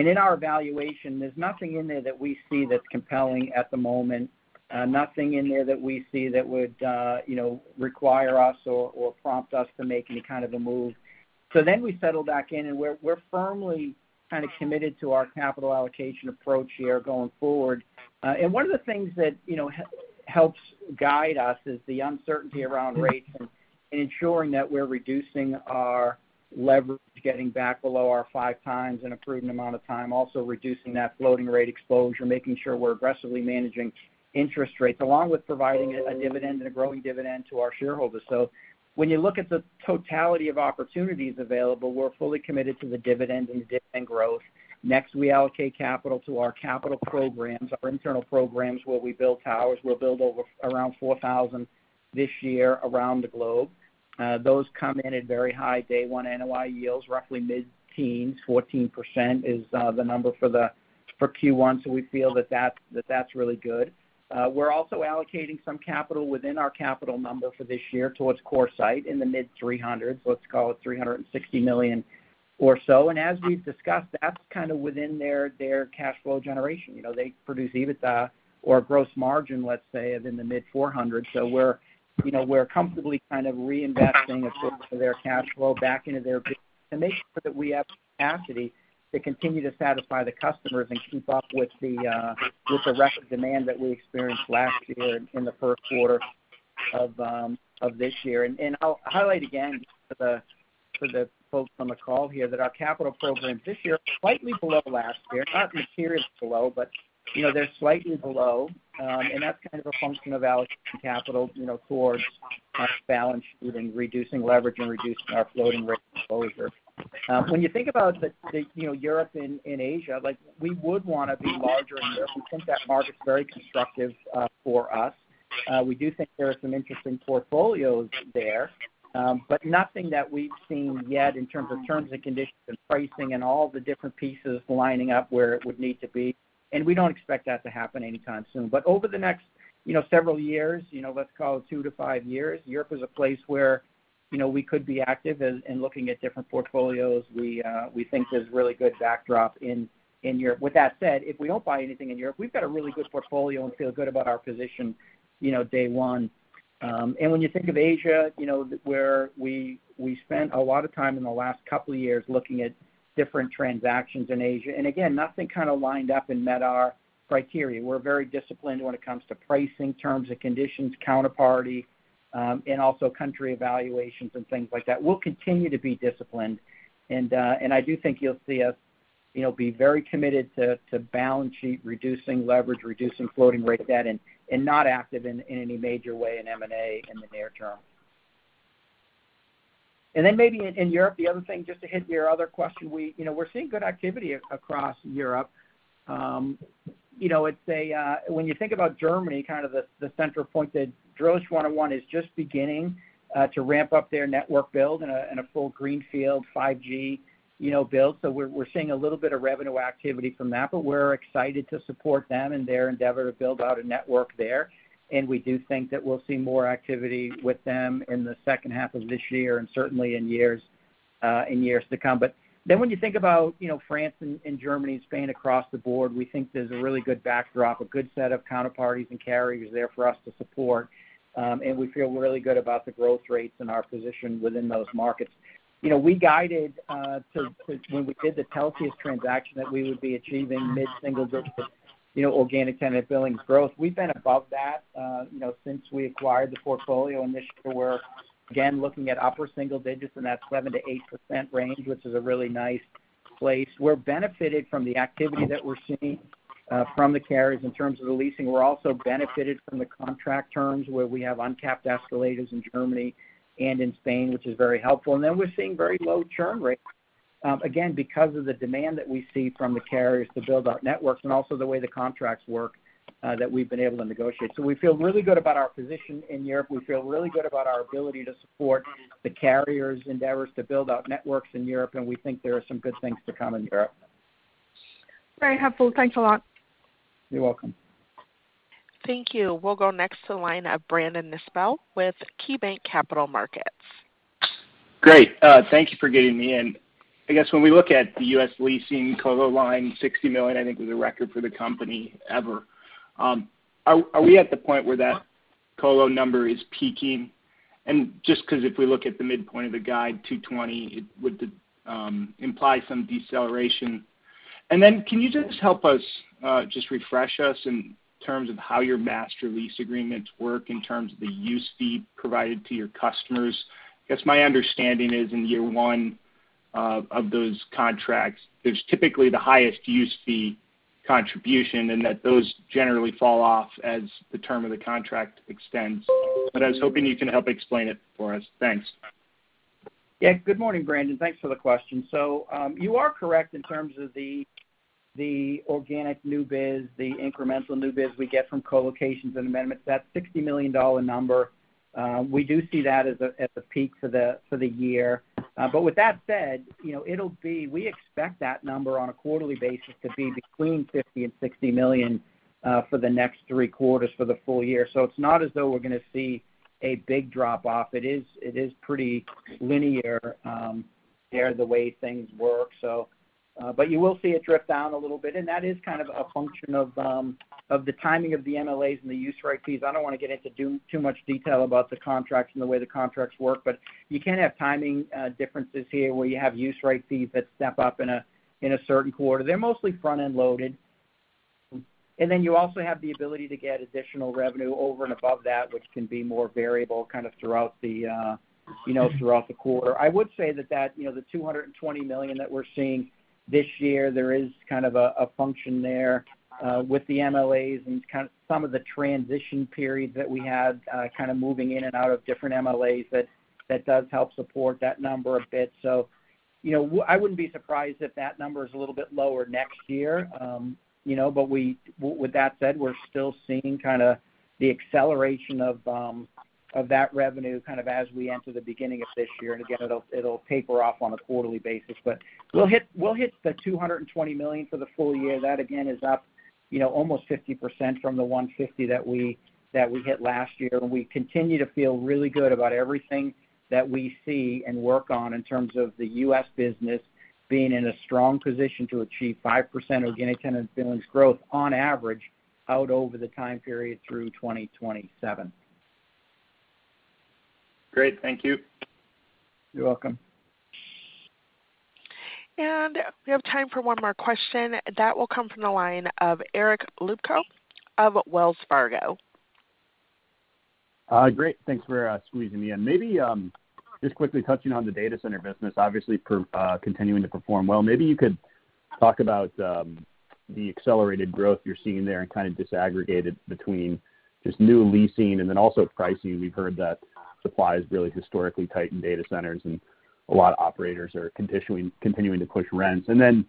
in our evaluation, there's nothing in there that we see that's compelling at the moment, nothing in there that we see that would, you know, require us or prompt us to make any kind of a move. We settle back in, and we're firmly kind of committed to our capital allocation approach here going forward. One of the things that, you know, helps guide us is the uncertainty around rates and ensuring that we're reducing our leverage, getting back below our 5x in a prudent amount of time, also reducing that floating rate exposure, making sure we're aggressively managing interest rates, along with providing a dividend and a growing dividend to our shareholders. When you look at the totality of opportunities available, we're fully committed to the dividend and dividend growth. Next, we allocate capital to our capital programs, our internal programs, where we build towers. We'll build over around 4,000 this year around the globe. Those come in at very high day one NOI yields, roughly mid-teens. 14% is the number for Q1, so we feel that that's really good. We're also allocating some capital within our capital number for this year towards CoreSite in the mid three hundreds, let's call it $360 million or so. As we've discussed, that's kind of within their cash flow generation. You know, they produce EBITDA or gross margin, let's say, of in the mid four hundreds. We're, you know, we're comfortably kind of reinvesting a portion of their cash flow back into their business to make sure that we have the capacity to continue to satisfy the customers and keep up with the record demand that we experienced last year in the first quarter of this year. And I'll highlight again for the folks on the call here that our capital programs this year are slightly below last year, not materially below, but, you know, they're slightly below. That's kind of a function of allocating capital, you know, towards our balance sheet and reducing leverage and reducing our floating rate exposure. When you think about the, you know, Europe and Asia, like, we would wanna be larger in Europe. We think that market's very constructive for us. We do think there are some interesting portfolios there, but nothing that we've seen yet in terms of terms and conditions and pricing and all the different pieces lining up where it would need to be, and we don't expect that to happen anytime soon. Over the next, you know, several years, you know, let's call it two to five years, Europe is a place where, you know, we could be active in looking at different portfolios. We think there's really good backdrop in Europe. With that said, if we don't buy anything in Europe, we've got a really good portfolio and feel good about our position, you know, day one. When you think of Asia, you know, where we spent a lot of time in the last couple of years looking at different transactions in Asia. Again, nothing kind of lined up and met our criteria. We're very disciplined when it comes to pricing, terms and conditions, counterparty, and also country evaluations and things like that. We'll continue to be disciplined. I do think you'll see us, you know, be very committed to balance sheet, reducing leverage, reducing floating rate debt and not active in any major way in M&A in the near-term. Then maybe in Europe, the other thing, just to hit your other question, we're seeing good activity across Europe. You know, it's a... When you think about Germany, kind of the center point that Drillisch 1&1 is just beginning to ramp up their network build in a, in a full greenfield 5G, you know, build. We're seeing a little bit of revenue activity from that. We're excited to support them in their endeavor to build out a network there, and we do think that we'll see more activity with them in the second half of this year and certainly in years to come. When you think about, you know, France and Germany and Spain across the board, we think there's a really good backdrop, a good set of counterparties and carriers there for us to support. And we feel really good about the growth rates and our position within those markets. You know, we guided to when we did the Telxius transaction, that we would be achieving mid-single digits of, you know, organic tenant billings growth. We've been above that, you know, since we acquired the portfolio. This year we're, again, looking at upper single digits in that 7%-8% range, which is a really nice place. We're benefited from the activity that we're seeing from the carriers in terms of the leasing. We're also benefited from the contract terms, where we have uncapped escalators in Germany and in Spain, which is very helpful. Then we're seeing very low churn rates, again, because of the demand that we see from the carriers to build out networks and also the way the contracts work that we've been able to negotiate. We feel really good about our position in Europe. We feel really good about our ability to support the carriers' endeavors to build out networks in Europe, and we think there are some good things to come in Europe. Very helpful. Thanks a lot. You're welcome. Thank you. We'll go next to the line of Brandon Nispel with KeyBanc Capital Markets. Great. Thank you for getting me in. I guess when we look at the U.S. leasing colo line, $60 million I think was a record for the company ever. Are we at the point where that colo number is peaking? Just 'cause if we look at the midpoint of the guide, $220, it would imply some deceleration. Then can you just help us, just refresh us in terms of how your Master Lease Agreements work in terms of the use fee provided to your customers? I guess my understanding is in year one, of those contracts, there's typically the highest use fee contribution, and that those generally fall off as the term of the contract extends. I was hoping you can help explain it for us. Thanks. Yeah. Good morning, Brandon. Thanks for the question. You are correct in terms of the organic new biz, the incremental new biz we get from co-locations and amendments. That $60 million number, we do see that as a peak for the year. With that said, you know, we expect that number on a quarterly basis to be between $50 million and $60 million for the next three quarters for the full year. It's not as though we're gonna see a big drop-off. It is pretty linear there, the way things work. You will see it drift down a little bit, and that is kind of a function of the timing of the MLAs and the use right fees. I don't wanna get into too much detail about the contracts and the way the contracts work, but you can have timing differences here where you have use right fees that step up in a certain quarter. They're mostly front-end loaded. Then you also have the ability to get additional revenue over and above that, which can be more variable kind of throughout the, you know, throughout the quarter. I would say that, you know, the $220 million that we're seeing this year, there is kind of a function there with the MLAs and kind of some of the transition periods that we had, kind of moving in and out of different MLAs that does help support that number a bit. You know, I wouldn't be surprised if that number is a little bit lower next year. you know, with that said, we're still seeing kinda the acceleration of that revenue kind of as we enter the beginning of this year. again, it'll taper off on a quarterly basis. we'll hit the $220 million for the full year. That again is up, you know, almost 50% from the $150 that we hit last year. we continue to feel really good about everything that we see and work on in terms of the U.S. business being in a strong position to achieve 5% organic tenant billings growth on average out over the time period through 2027. Great. Thank you. You're welcome. We have time for one more question. That will come from the line of Eric Luebchow of Wells Fargo. Great. Thanks for squeezing me in. Maybe just quickly touching on the data center business, obviously continuing to perform well. Maybe you could talk about the accelerated growth you're seeing there and kind of disaggregate it between just new leasing and then also pricing. We've heard that supply is really historically tight in data centers, and a lot of operators are continuing to push rents. Then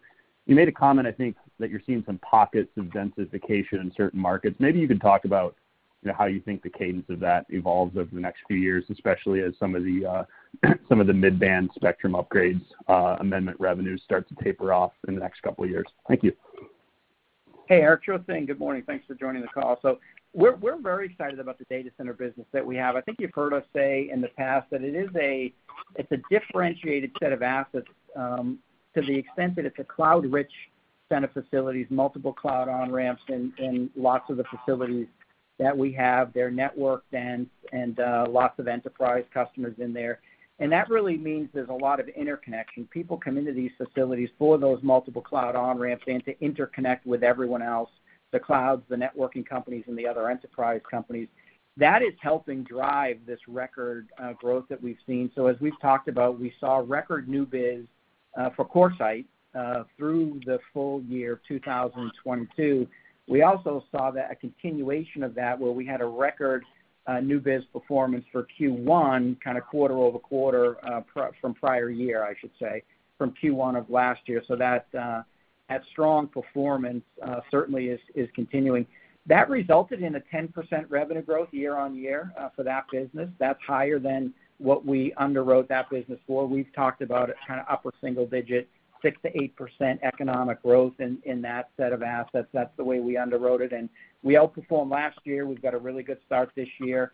you made a comment, I think, that you're seeing some pockets of densification in certain markets. Maybe you could talk about, you know, how you think the cadence of that evolves over the next few years, especially as some of the mid-band spectrum upgrades, amendment revenues start to taper off in the next couple of years. Thank you. Hey, Eric. Sure thing. Good morning. Thanks for joining the call. We're very excited about the data center business that we have. I think you've heard us say in the past that it is a, it's a differentiated set of assets, to the extent that it's a cloud-rich set of facilities, multiple cloud on-ramps in lots of the facilities that we have. They're networked and lots of enterprise customers in there. That really means there's a lot of interconnection. People come into these facilities for those multiple cloud on-ramps and to interconnect with everyone else, the clouds, the networking companies, and the other enterprise companies. That is helping drive this record growth that we've seen. As we've talked about, we saw record new biz for CoreSite through the full year 2022. We also saw that a continuation of that, where we had a record new biz performance for Q1, kinda quarter-over-quarter from prior year, I should say, from Q1 of last year. That strong performance certainly is continuing. That resulted in a 10% revenue growth year-on-year for that business. That's higher than what we underwrote that business for. We've talked about a kinda upper single digit, 6%-8% economic growth in that set of assets. That's the way we underwrote it, and we outperformed last year. We've got a really good start this year.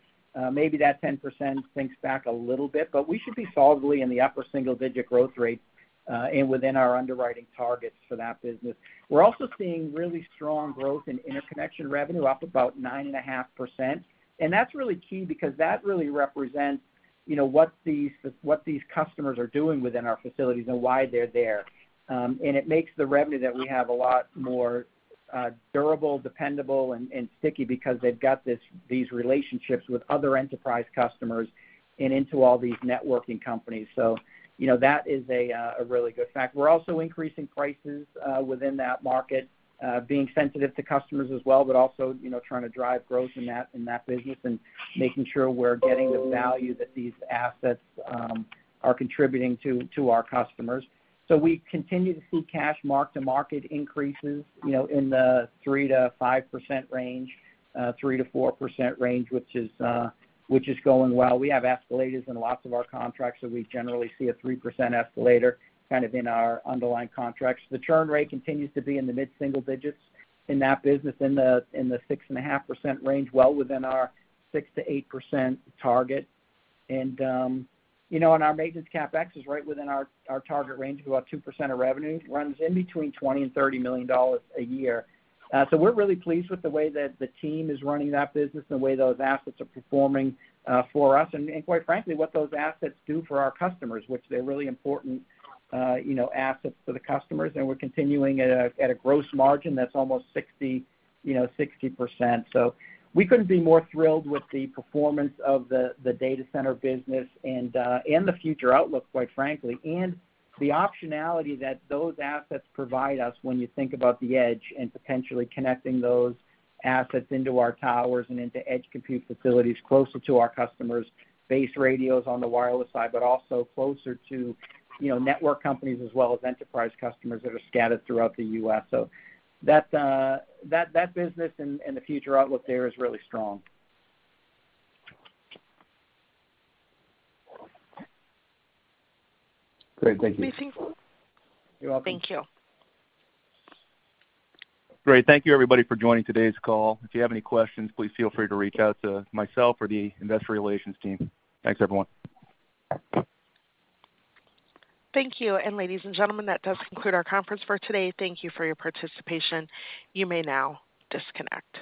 Maybe that 10% sinks back a little bit, but we should be solidly in the upper single digit growth rate and within our underwriting targets for that business. We're also seeing really strong growth in interconnection revenue, up about 9.5%. That's really key because that really represents, you know, what these customers are doing within our facilities and why they're there. It makes the revenue that we have a lot more durable, dependable, and sticky because they've got these relationships with other enterprise customers and into all these networking companies. You know, that is a really good fact. We're also increasing prices within that market, being sensitive to customers as well, but also, you know, trying to drive growth in that business and making sure we're getting the value that these assets are contributing to our customers. We continue to see cash mark-to-market increases, you know, in the 3%-5% range, 3%-4% range, which is going well. We have escalators in lots of our contracts, we generally see a 3% escalator kind of in our underlying contracts. The churn rate continues to be in the mid-single digits in that business, in the 6.5% range, well within our 6%-8% target. You know, and our maintenance CapEx is right within our target range of about 2% of revenue, runs in between $20 million and $30 million a year. We're really pleased with the way that the team is running that business and the way those assets are performing for us, and quite frankly, what those assets do for our customers, which they're really important, you know, assets for the customers. We're continuing at a, at a gross margin that's almost 60%, you know, 60%. We couldn't be more thrilled with the performance of the data center business and the future outlook, quite frankly, and the optionality that those assets provide us when you think about the edge and potentially connecting those assets into our towers and into edge compute facilities closer to our customers, base radios on the wireless side, but also closer to, you know, network companies as well as enterprise customers that are scattered throughout the U.S. That business and the future outlook there is really strong. Great. Thank you. Be safe. You're welcome. Thank you. Great. Thank you, everybody, for joining today's call. If you have any questions, please feel free to reach out to myself or the Investor Relations team. Thanks, everyone. Thank you. Ladies and gentlemen, that does conclude our conference for today. Thank you for your participation. You may now disconnect.